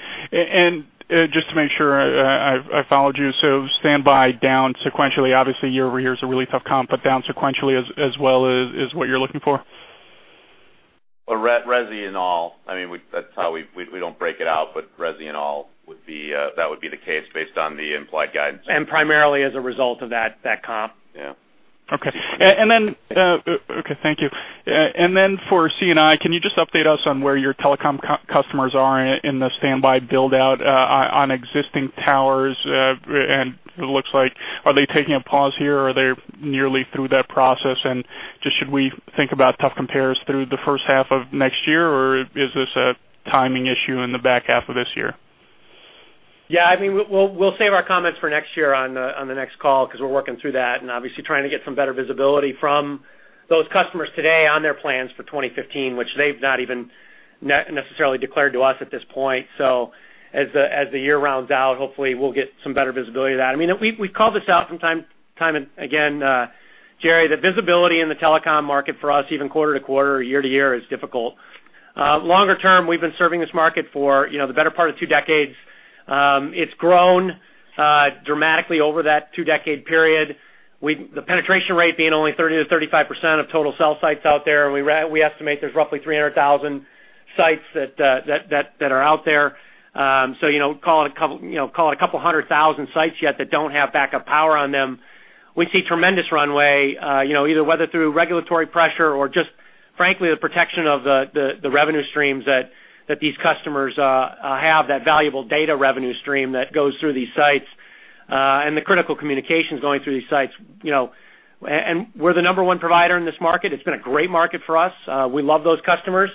Just to make sure I followed you. Standby down sequentially, obviously year-over-year is a really tough comp, but down sequentially as well is what you're looking for? Resi and all. We don't break it out, resi and all, that would be the case based on the implied guidance. Primarily as a result of that comp. Yeah. Okay. Thank you. For C&I, can you just update us on where your telecom customers are in the standby build-out on existing towers? It looks like, are they taking a pause here, or are they nearly through that process? Just should we think about tough compares through the first half of next year, or is this a timing issue in the back half of this year? Yeah. We'll save our comments for next year on the next call because we're working through that and obviously trying to get some better visibility from those customers today on their plans for 2015, which they've not even necessarily declared to us at this point. As the year rounds out, hopefully we'll get some better visibility of that. We call this out from time and again, Jerry, the visibility in the telecom market for us, even quarter to quarter, year to year, is difficult. Longer term, we've been serving this market for the better part of two decades. It's grown dramatically over that two-decade period, with the penetration rate being only 30%-35% of total cell sites out there. We estimate there's roughly 300,000 sites that are out there. Call it a couple hundred thousand sites yet that don't have backup power on them. We see tremendous runway, either whether through regulatory pressure or just frankly, the protection of the revenue streams that these customers have, that valuable data revenue stream that goes through these sites, and the critical communications going through these sites. We're the number one provider in this market. It's been a great market for us. We love those customers.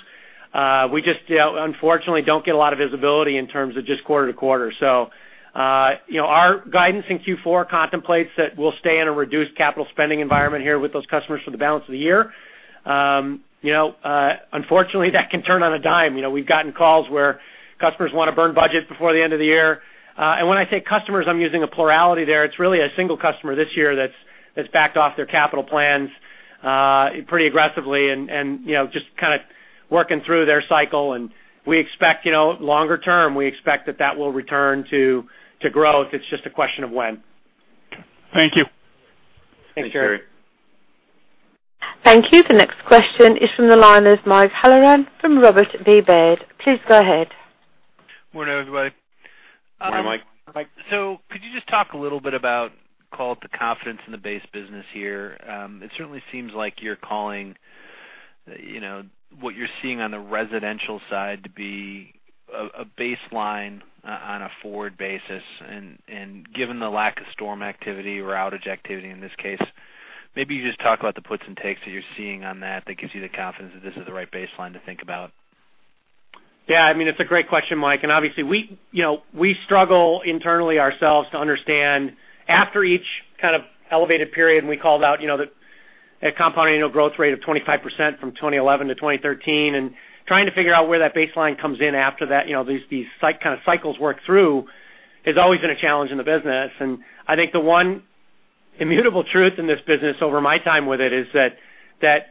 We just unfortunately don't get a lot of visibility in terms of just quarter to quarter. Our guidance in Q4 contemplates that we'll stay in a reduced capital spending environment here with those customers for the balance of the year. Unfortunately, that can turn on a dime. We've gotten calls where customers want to burn budgets before the end of the year. When I say customers, I'm using a plurality there. It's really a single customer this year that's backed off their capital plans pretty aggressively and just kind of working through their cycle, and longer term, we expect that that will return to growth. It's just a question of when. Thank you. Thanks, Jerry. Thanks, Jerry. Thank you. The next question is from the line is Michael Halloran from Robert W. Baird. Please go ahead. Morning, everybody. Morning, Mike. Mike. Could you just talk a little bit about call it the confidence in the base business here? It certainly seems like you're calling what you're seeing on the residential side to be a baseline on a forward basis, and given the lack of storm activity or outage activity in this case, maybe you just talk about the puts and takes that you're seeing on that gives you the confidence that this is the right baseline to think about. Yeah, it's a great question, Mike, Obviously, we struggle internally ourselves to understand after each kind of elevated period. We called out a compound annual growth rate of 25% from 2011 to 2013. Trying to figure out where that baseline comes in after these kind of cycles work through, has always been a challenge in the business. I think the one immutable truth in this business over my time with it is that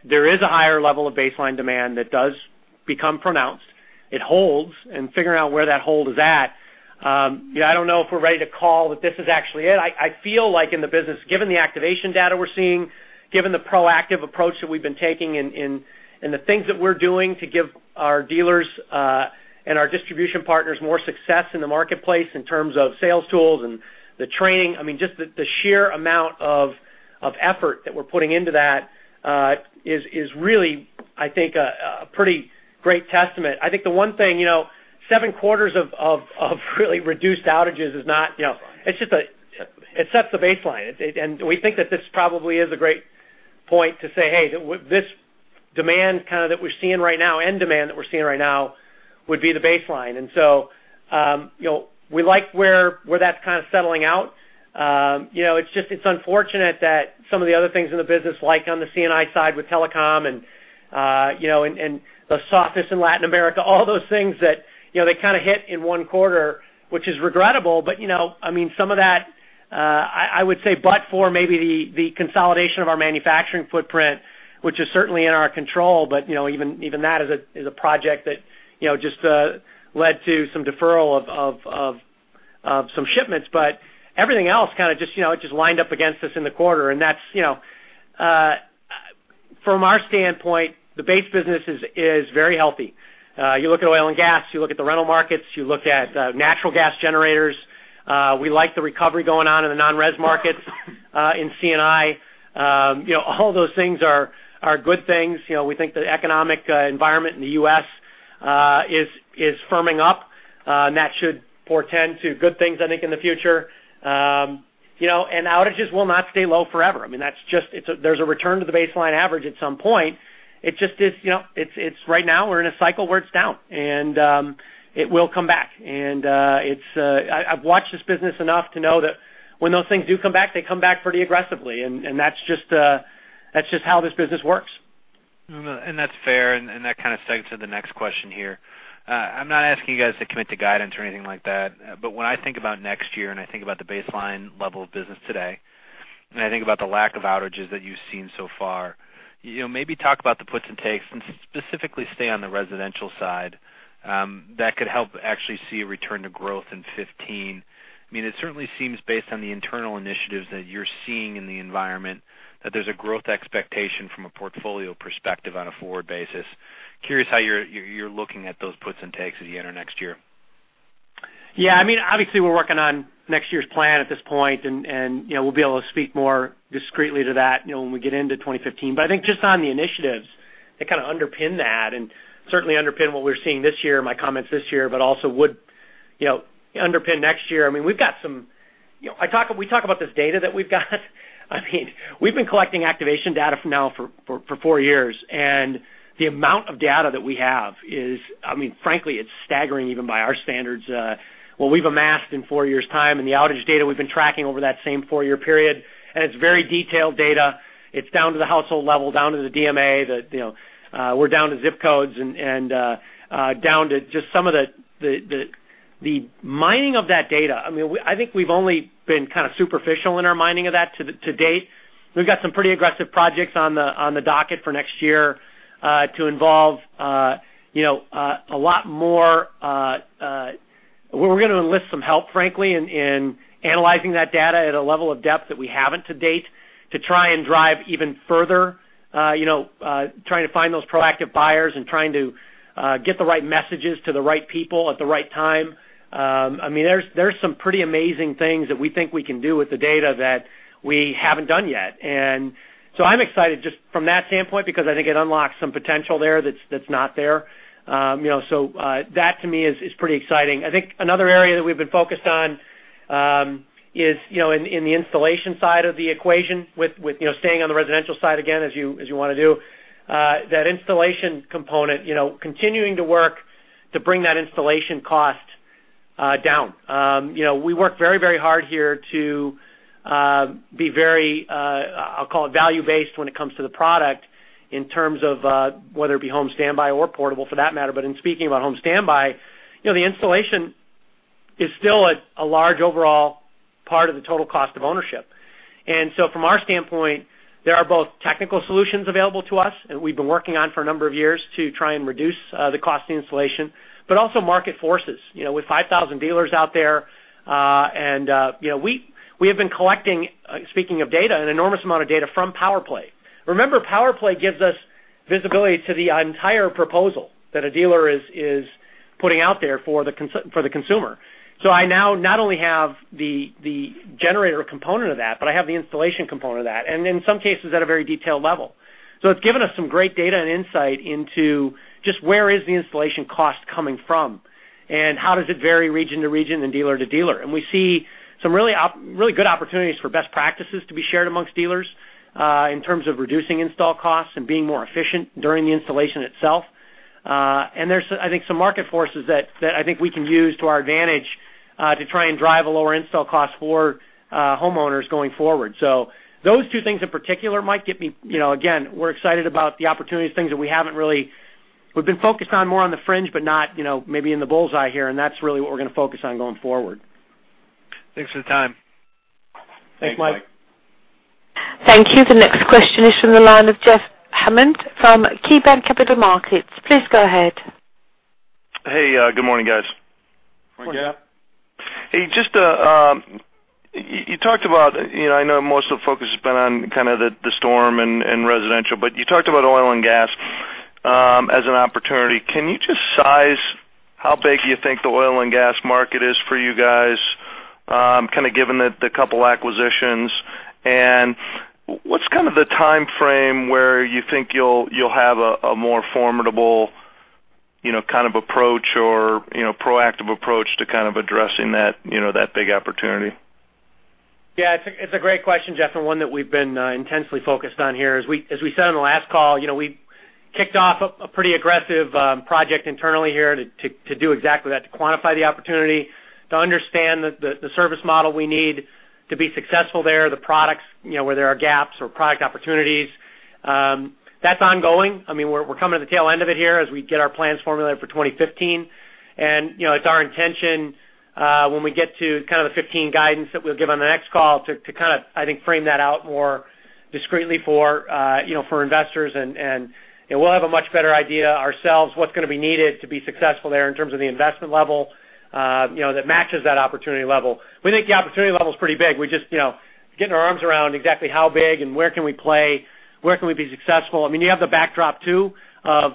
there is a higher level of baseline demand that does become pronounced. It holds, and figuring out where that hold is at, I don't know if we're ready to call that this is actually it. I feel like in the business, given the activation data we're seeing, given the proactive approach that we've been taking, and the things that we're doing to give our dealers, and our distribution partners more success in the marketplace in terms of sales tools and the training, just the sheer amount of effort that we're putting into that, is really, I think, a pretty great testament. I think the one thing, seven quarters of really reduced outages is not. It sets the baseline. We think that this probably is a great point to say, hey, this demand kind of that we're seeing right now, end demand that we're seeing right now would be the baseline. We like where that's kind of settling out. It's unfortunate that some of the other things in the business, like on the C&I side with telecom and the softness in Latin America, all those things that they kind of hit in one quarter, which is regrettable. Some of that, I would say but for maybe the consolidation of our manufacturing footprint, which is certainly in our control, but even that is a project that just led to some deferral of some shipments. Everything else kind of just lined up against us in the quarter, and from our standpoint, the base business is very healthy. You look at oil and gas, you look at the rental markets, you look at natural gas generators. We like the recovery going on in the non-res markets, in C&I. All those things are good things. We think the economic environment in the U.S. is firming up, and that should portend to good things, I think, in the future. Outages will not stay low forever. There's a return to the baseline average at some point. It's just right now, we're in a cycle where it's down. It will come back. I've watched this business enough to know that when those things do come back, they come back pretty aggressively. That's just how this business works. That's fair, and that kind of segues to the next question here. I'm not asking you guys to commit to guidance or anything like that, but when I think about next year, and I think about the baseline level of business today, and I think about the lack of outages that you've seen so far, maybe talk about the puts and takes, and specifically stay on the residential side, that could help actually see a return to growth in 2015. It certainly seems based on the internal initiatives that you're seeing in the environment, that there's a growth expectation from a portfolio perspective on a forward basis. Curious how you're looking at those puts and takes as you enter next year. Yeah. Obviously, we're working on next year's plan at this point, and we'll be able to speak more discreetly to that when we get into 2015. I think just on the initiatives that kind of underpin that and certainly underpin what we're seeing this year, my comments this year, but also would underpin next year. We talk about this data that we've got. We've been collecting activation data for now for four years. The amount of data that we have is, frankly, it's staggering even by our standards, what we've amassed in four years' time and the outage data we've been tracking over that same four-year period, and it's very detailed data. It's down to the household level, down to the DMA. We're down to zip codes and down to just some of the mining of that data. I think we've only been kind of superficial in our mining of that to date. We've got some pretty aggressive projects on the docket for next year, to involve a lot more. We're going to enlist some help, frankly, in analyzing that data at a level of depth that we haven't to date, to try and drive even further, trying to find those proactive buyers and trying to get the right messages to the right people at the right time. There's some pretty amazing things that we think we can do with the data that we haven't done yet. I'm excited just from that standpoint, because I think it unlocks some potential there that's not there. That to me is pretty exciting. I think another area that we've been focused on is in the installation side of the equation with staying on the residential side, again, as you want to do. That installation component, continuing to work to bring that installation cost down. We work very hard here to be very, I'll call it value-based when it comes to the product in terms of whether it be home standby or portable for that matter. In speaking about home standby, the installation is still a large overall part of the total cost of ownership. From our standpoint, there are both technical solutions available to us, and we've been working on for a number of years to try and reduce the cost of installation, but also market forces. With 5,000 dealers out there, and we have been collecting, speaking of data, an enormous amount of data from PowerPlay. Remember, PowerPlay gives us visibility to the entire proposal that a dealer is putting out there for the consumer. I now not only have the generator component of that, but I have the installation component of that, and in some cases, at a very detailed level. It's given us some great data and insight into just where is the installation cost coming from, and how does it vary region to region and dealer to dealer? We see some really good opportunities for best practices to be shared amongst dealers, in terms of reducing install costs and being more efficient during the installation itself. There's, I think, some market forces that I think we can use to our advantage, to try and drive a lower install cost for homeowners going forward. Those two things in particular might get me. Again, we're excited about the opportunities, things that we haven't really We've been focused on more on the fringe, but not maybe in the bullseye here. That's really what we're going to focus on going forward. Thanks for the time. Thanks, Mike. Thank you. The next question is from the line of Jeff Hammond from KeyBanc Capital Markets. Please go ahead. Hey, good morning, guys. Morning, Jeff. Hey, you talked about, I know most of the focus has been on kind of the storm and residential, but you talked about oil and gas as an opportunity. Can you just size how big you think the oil and gas market is for you guys, kind of given the couple acquisitions? What's kind of the timeframe where you think you'll have a more formidable kind of approach or proactive approach to kind of addressing that big opportunity? Yeah, it's a great question, Jeff, one that we've been intensely focused on here. As we said on the last call, we kicked off a pretty aggressive project internally here to do exactly that, to quantify the opportunity, to understand the service model we need to be successful there, the products, where there are gaps or product opportunities. That's ongoing. We're coming to the tail end of it here as we get our plans formulated for 2015. It's our intention, when we get to kind of the 2015 guidance that we'll give on the next call to kind of, I think, frame that out more discretely for investors. We'll have a much better idea ourselves what's going to be needed to be successful there in terms of the investment level that matches that opportunity level. We think the opportunity level is pretty big. We're just getting our arms around exactly how big and where can we play, where can we be successful. You have the backdrop too, of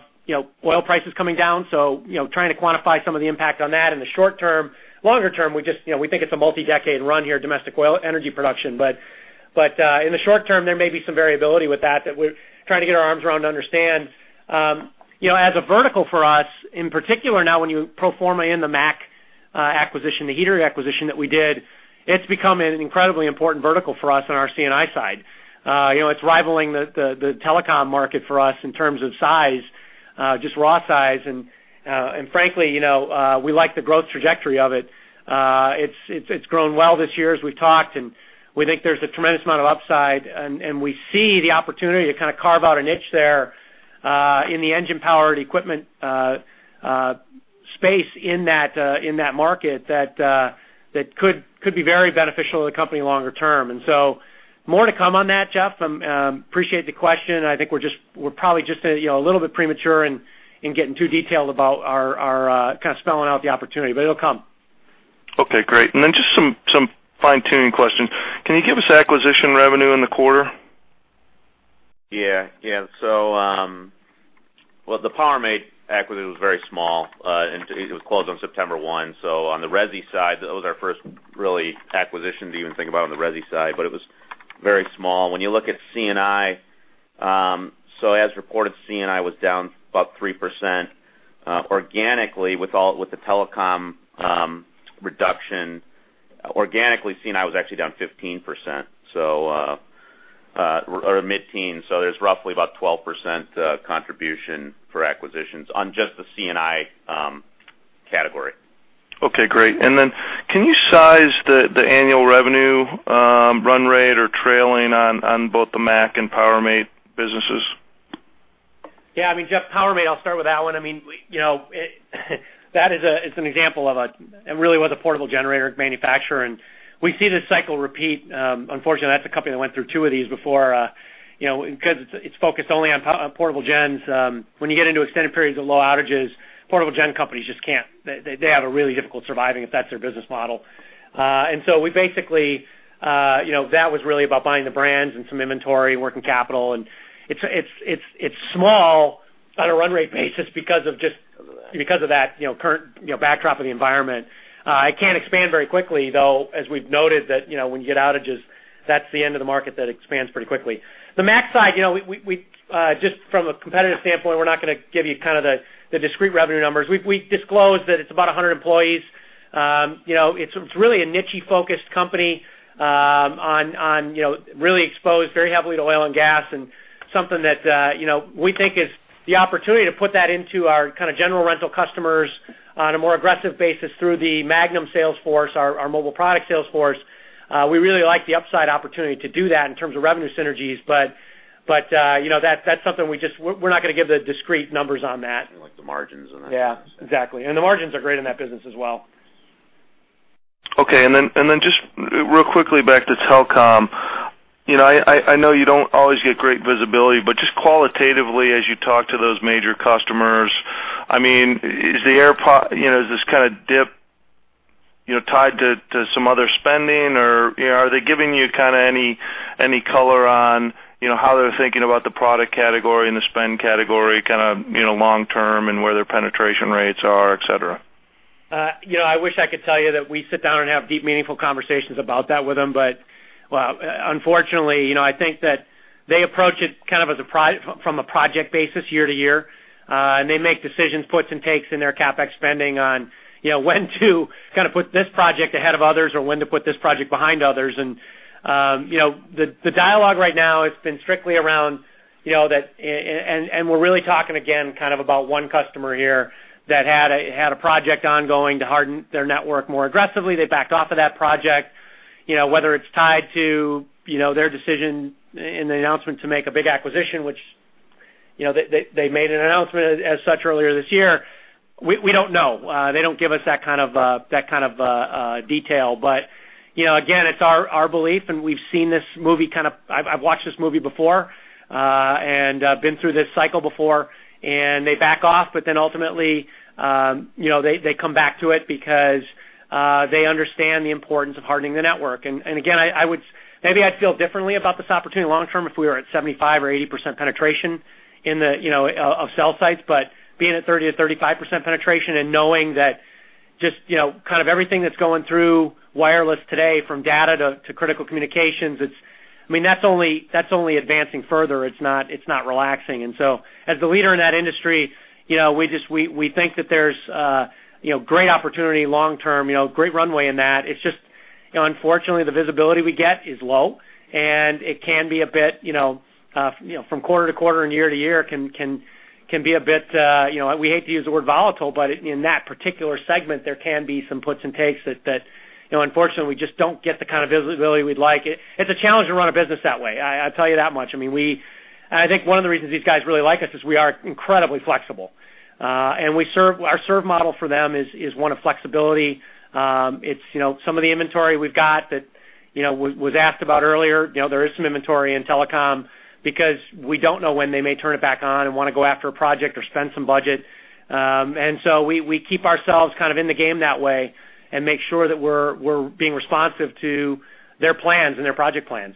oil prices coming down. Trying to quantify some of the impact on that in the short term. Longer term, we think it's a multi-decade run here, domestic oil energy production. In the short term, there may be some variability with that that we're trying to get our arms around to understand. As a vertical for us, in particular now when you pro forma in the MAC acquisition, the heater acquisition that we did, it's become an incredibly important vertical for us on our C&I side. It's rivaling the telecom market for us in terms of size, just raw size. Frankly, we like the growth trajectory of it. It's grown well this year, as we've talked, we think there's a tremendous amount of upside, we see the opportunity to kind of carve out a niche there, in the engine-powered equipment space in that market that could be very beneficial to the company longer term. More to come on that, Jeff. Appreciate the question, I think we're probably just a little bit premature in getting too detailed about our kind of spelling out the opportunity, but it'll come. Okay, great. Just some fine-tuning questions. Can you give us acquisition revenue in the quarter? Yeah. Well, the PowerMate acquisition was very small. It was closed on September 1. On the resi side, that was our first really acquisition to even think about on the resi side, but it was very small. When you look at C&I, as reported, C&I was down about 3%. Organically, with the telecom reduction, organically, C&I was actually down 15%, or mid-teens. There's roughly about 12% contribution for acquisitions on just the C&I category. Okay, great. Can you size the annual revenue run rate or trailing on both the MAC and PowerMate businesses? Yeah, Jeff, PowerMate, I'll start with that one. That is an example of a portable generator manufacturer, and we see this cycle repeat. Unfortunately, that's a company that went through two of these before. Because it's focused only on portable gens. When you get into extended periods of low outages, portable gen companies just can't have a really difficult surviving if that's their business model. So we basically, that was really about buying the brands and some inventory working capital, and it's small on a run rate basis because of that current backdrop of the environment. It can't expand very quickly, though, as we've noted that when you get outages, that's the end of the market that expands pretty quickly. The MAC side, just from a competitive standpoint, we're not going to give you the discrete revenue numbers. We've disclosed that it's about 100 employees. It's really a niche-focused company, really exposed very heavily to oil and gas, something that we think is the opportunity to put that into our kind of general rental customers on a more aggressive basis through the Magnum sales force, our mobile product sales force. We really like the upside opportunity to do that in terms of revenue synergies, but that's something we're not going to give the discrete numbers on that. Like the margins and that kind of stuff. Yeah, exactly. The margins are great in that business as well. Okay. Then just real quickly back to telecom. I know you don't always get great visibility, but just qualitatively as you talk to those major customers, is this kind of dip tied to some other spending or are they giving you kind of any color on how they're thinking about the product category and the spend category kind of long term and where their penetration rates are, et cetera? I wish I could tell you that we sit down and have deep, meaningful conversations about that with them. Unfortunately, I think that they approach it kind of from a project basis year-to-year. They make decisions, puts and takes in their CapEx spending on when to kind of put this project ahead of others or when to put this project behind others. The dialogue right now has been strictly around, and we're really talking again, kind of about one customer here that had a project ongoing to harden their network more aggressively. They backed off of that project. Whether it's tied to their decision in the announcement to make a big acquisition, which they made an announcement as such earlier this year, we don't know. They don't give us that kind of detail. Again, it's our belief, I've watched this movie before, been through this cycle before, they back off, ultimately, they come back to it because they understand the importance of hardening the network. Again, maybe I'd feel differently about this opportunity long term if we were at 75% or 80% penetration of cell sites, being at 30%-35% penetration and knowing that just kind of everything that's going through wireless today from data to critical communications, that's only advancing further. It's not relaxing. As the leader in that industry, we think that there's a great opportunity long term, great runway in that. It's just unfortunately, the visibility we get is low, it can be a bit from quarter-to-quarter and year-to-year, we hate to use the word volatile, in that particular segment, there can be some puts and takes that unfortunately, we just don't get the kind of visibility we'd like. It's a challenge to run a business that way, I'll tell you that much. I think one of the reasons these guys really like us is we are incredibly flexible. Our serve model for them is one of flexibility. It's some of the inventory we've got that was asked about earlier. There is some inventory in telecom because we don't know when they may turn it back on and want to go after a project or spend some budget. We keep ourselves kind of in the game that way and make sure that we're being responsive to their plans and their project plans.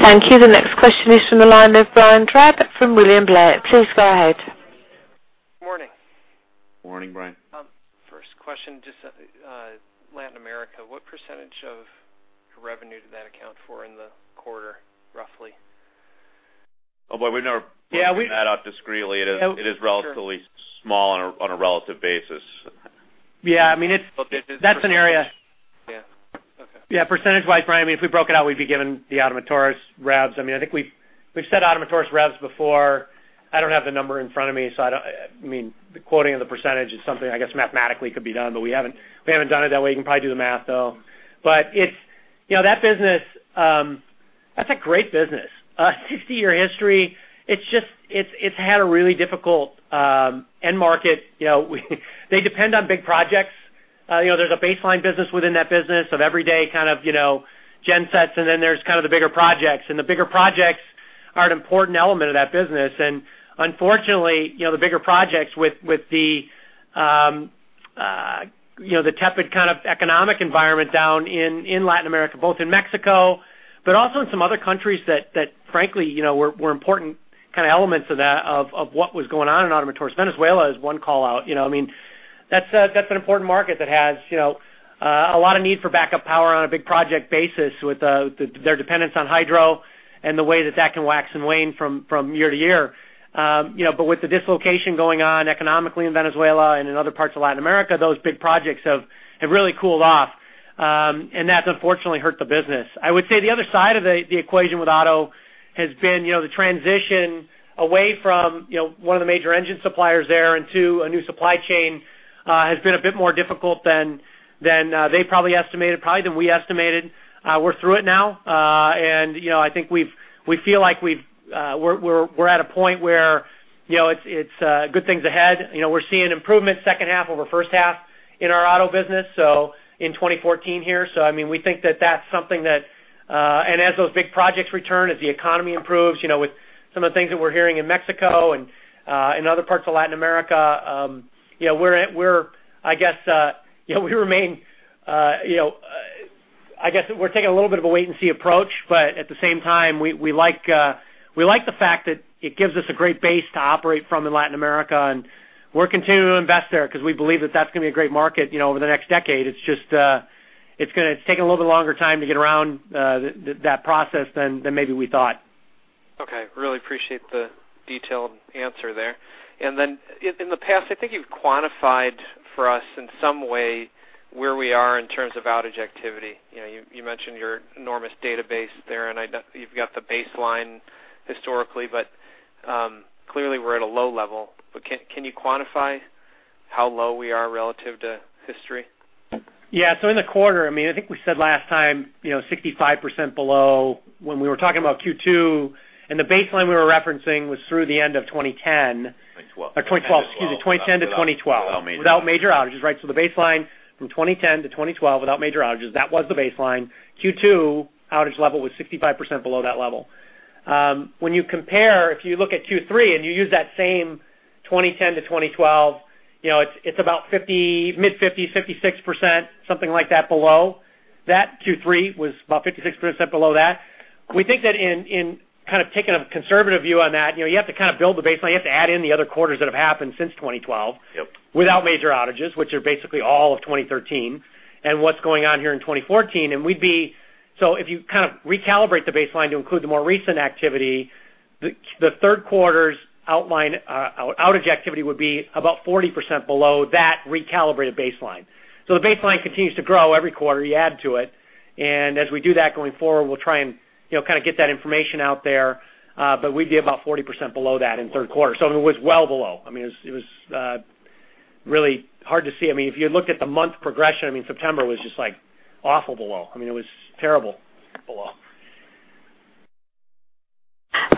Thank you. The next question is from the line of Brian Drab from William Blair. Please go ahead. Morning. Morning, Brian. First question, just Latin America. What percentage of revenue did that account for in the quarter, roughly? Boy, we never broken that out discreetly. It is relatively small on a relative basis. Yeah, that's an area. Yeah. Okay. Yeah, percentage-wise, Brian, if we broke it out, we'd be given the Ottomotores revs. I think we've said Ottomotores revs before. I don't have the number in front of me, so the quoting of the percentage is something I guess mathematically could be done, but we haven't done it that way. You can probably do the math, though. That business, that's a great business. A 60-year history. It's had a really difficult end market. They depend on big projects. There's a baseline business within that business of every day kind of gensets, and then there's kind of the bigger projects, and the bigger projects are an important element of that business. Unfortunately, the bigger projects with the tepid kind of economic environment down in Latin America, both in Mexico, but also in some other countries that frankly were important kind of elements of what was going on in Ottomotores. Venezuela is one call-out. That's an important market that has a lot of need for backup power on a big project basis with their dependence on hydro and the way that can wax and wane from year to year. With the dislocation going on economically in Venezuela and in other parts of Latin America, those big projects have really cooled off. That's unfortunately hurt the business. I would say the other side of the equation with Ottomotores has been the transition away from one of the major engine suppliers there into a new supply chain, has been a bit more difficult than they probably estimated, probably than we estimated. We're through it now. I think we feel like we're at a point where it's good things ahead. We're seeing improvement second half over first half in our auto business, so in 2014 here. We think that that's something that. As those big projects return, as the economy improves, with some of the things that we're hearing in Mexico and in other parts of Latin America, we remain, I guess we're taking a little bit of a wait and see approach, but at the same time, we like the fact that it gives us a great base to operate from in Latin America, and we're continuing to invest there because we believe that that's going to be a great market over the next decade. It's just going to take a little bit longer time to get around that process than maybe we thought. Okay. Really appreciate the detailed answer there. In the past, I think you've quantified for us in some way where we are in terms of outage activity. You mentioned your enormous database there, and you've got the baseline historically, but clearly we're at a low level. Can you quantify how low we are relative to history? Yeah. In the quarter, I think we said last time, 65% below when we were talking about Q2, and the baseline we were referencing was through the end of 2010. 2012. 2012, excuse me. 2010 to 2012. Without major outages. Without major outages. Right. The baseline from 2010 to 2012 without major outages, that was the baseline. Q2 outage level was 65% below that level. When you compare, if you look at Q3 and you use that same 2010 to 2012, it's about mid-50, 56%, something like that below that. Q3 was about 56% below that. We think that in kind of taking a conservative view on that, you have to kind of build the baseline. You have to add in the other quarters that have happened since 2012. Yep. Without major outages, which are basically all of 2013, and what's going on here in 2014. If you kind of recalibrate the baseline to include the more recent activity, the third quarter's outage activity would be about 40% below that recalibrated baseline. The baseline continues to grow every quarter you add to it, and as we do that going forward, we'll try and kind of get that information out there. But we'd be about 40% below that in the third quarter. It was well below. It was really hard to see. If you looked at the month progression, September was just awful below. It was terrible below.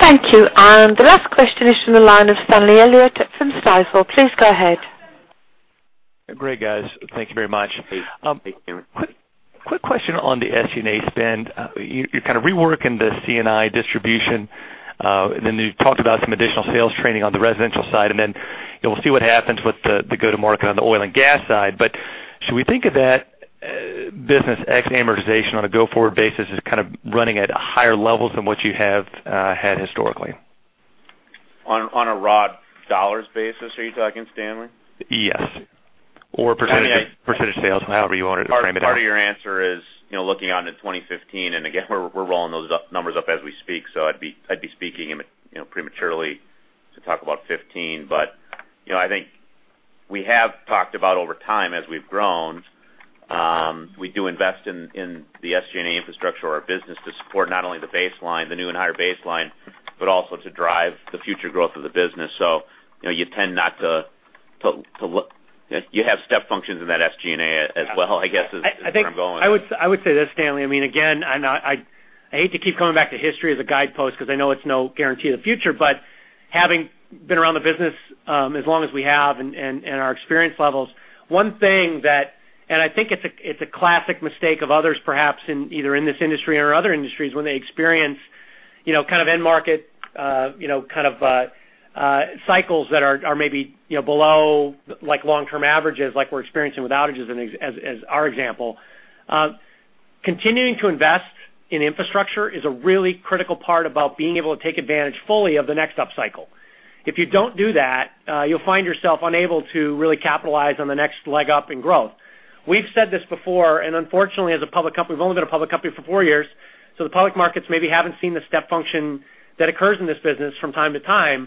Thank you. The last question is from the line of Stanley Elliott from Stifel. Please go ahead. Great, guys. Thank you very much. Please. Thanks, Stanley. Quick question on the SG&A spend. You're kind of reworking the C&I distribution. You talked about some additional sales training on the residential side, then you'll see what happens with the go-to-market on the oil and gas side. Should we think of that business ex-amortization on a go-forward basis as kind of running at higher levels than what you have had historically? On a raw dollars basis, are you talking, Stanley? Yes. Percentage sales, however you want to frame it out. Part of your answer is looking out into 2015, again, we're rolling those numbers up as we speak, I'd be speaking prematurely to talk about 2015. I think we have talked about over time as we've grown, we do invest in the SG&A infrastructure of our business to support not only the baseline, the new and higher baseline, but also to drive the future growth of the business. You tend not to look. You have step functions in that SG&A as well, I guess is where I'm going with that. I would say this, Stanley. I hate to keep coming back to history as a guidepost because I know it's no guarantee of the future, but having been around the business as long as we have and our experience levels, one thing that, and I think it's a classic mistake of others, perhaps in either in this industry or in other industries, when they experience kind of end market kind of cycles that are maybe below long-term averages like we're experiencing with outages as our example. Continuing to invest in infrastructure is a really critical part about being able to take advantage fully of the next upcycle. If you don't do that, you'll find yourself unable to really capitalize on the next leg up in growth. We've said this before, unfortunately, as a public company, we've only been a public company for four years, the public markets maybe haven't seen the step function that occurs in this business from time to time.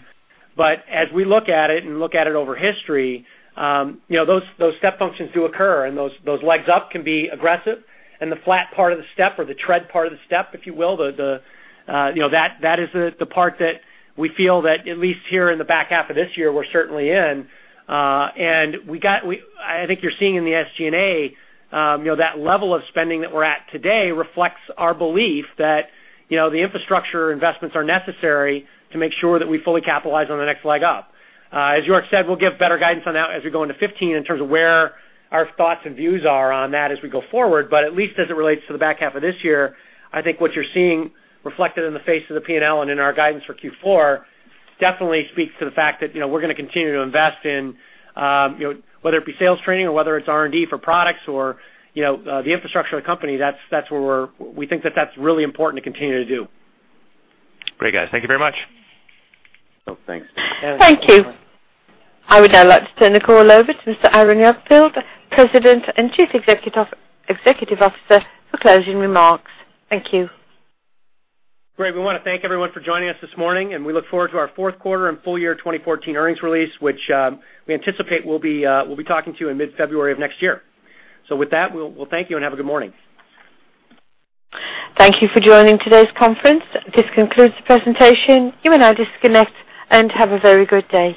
As we look at it and look at it over history, those step functions do occur, and those legs up can be aggressive, and the flat part of the step or the tread part of the step, if you will, that is the part that we feel that at least here in the back half of this year, we're certainly in. I think you're seeing in the SG&A that level of spending that we're at today reflects our belief that the infrastructure investments are necessary to make sure that we fully capitalize on the next leg up. As York said, we'll give better guidance on that as we go into 2015 in terms of where our thoughts and views are on that as we go forward. At least as it relates to the back half of this year, I think what you're seeing reflected in the face of the P&L and in our guidance for Q4 definitely speaks to the fact that we're going to continue to invest in, whether it be sales training or whether it's R&D for products or the infrastructure of the company, that's where we think that that's really important to continue to do. Great, guys. Thank you very much. Thanks. Thank you. I would now like to turn the call over to Mr. Aaron Jagdfeld, President and Chief Executive Officer, for closing remarks. Thank you. Great. We want to thank everyone for joining us this morning. We look forward to our fourth quarter and full year 2014 earnings release, which we anticipate we'll be talking to you in mid-February of next year. With that, we'll thank you. Have a good morning. Thank you for joining today's conference. This concludes the presentation. You may now disconnect. Have a very good day.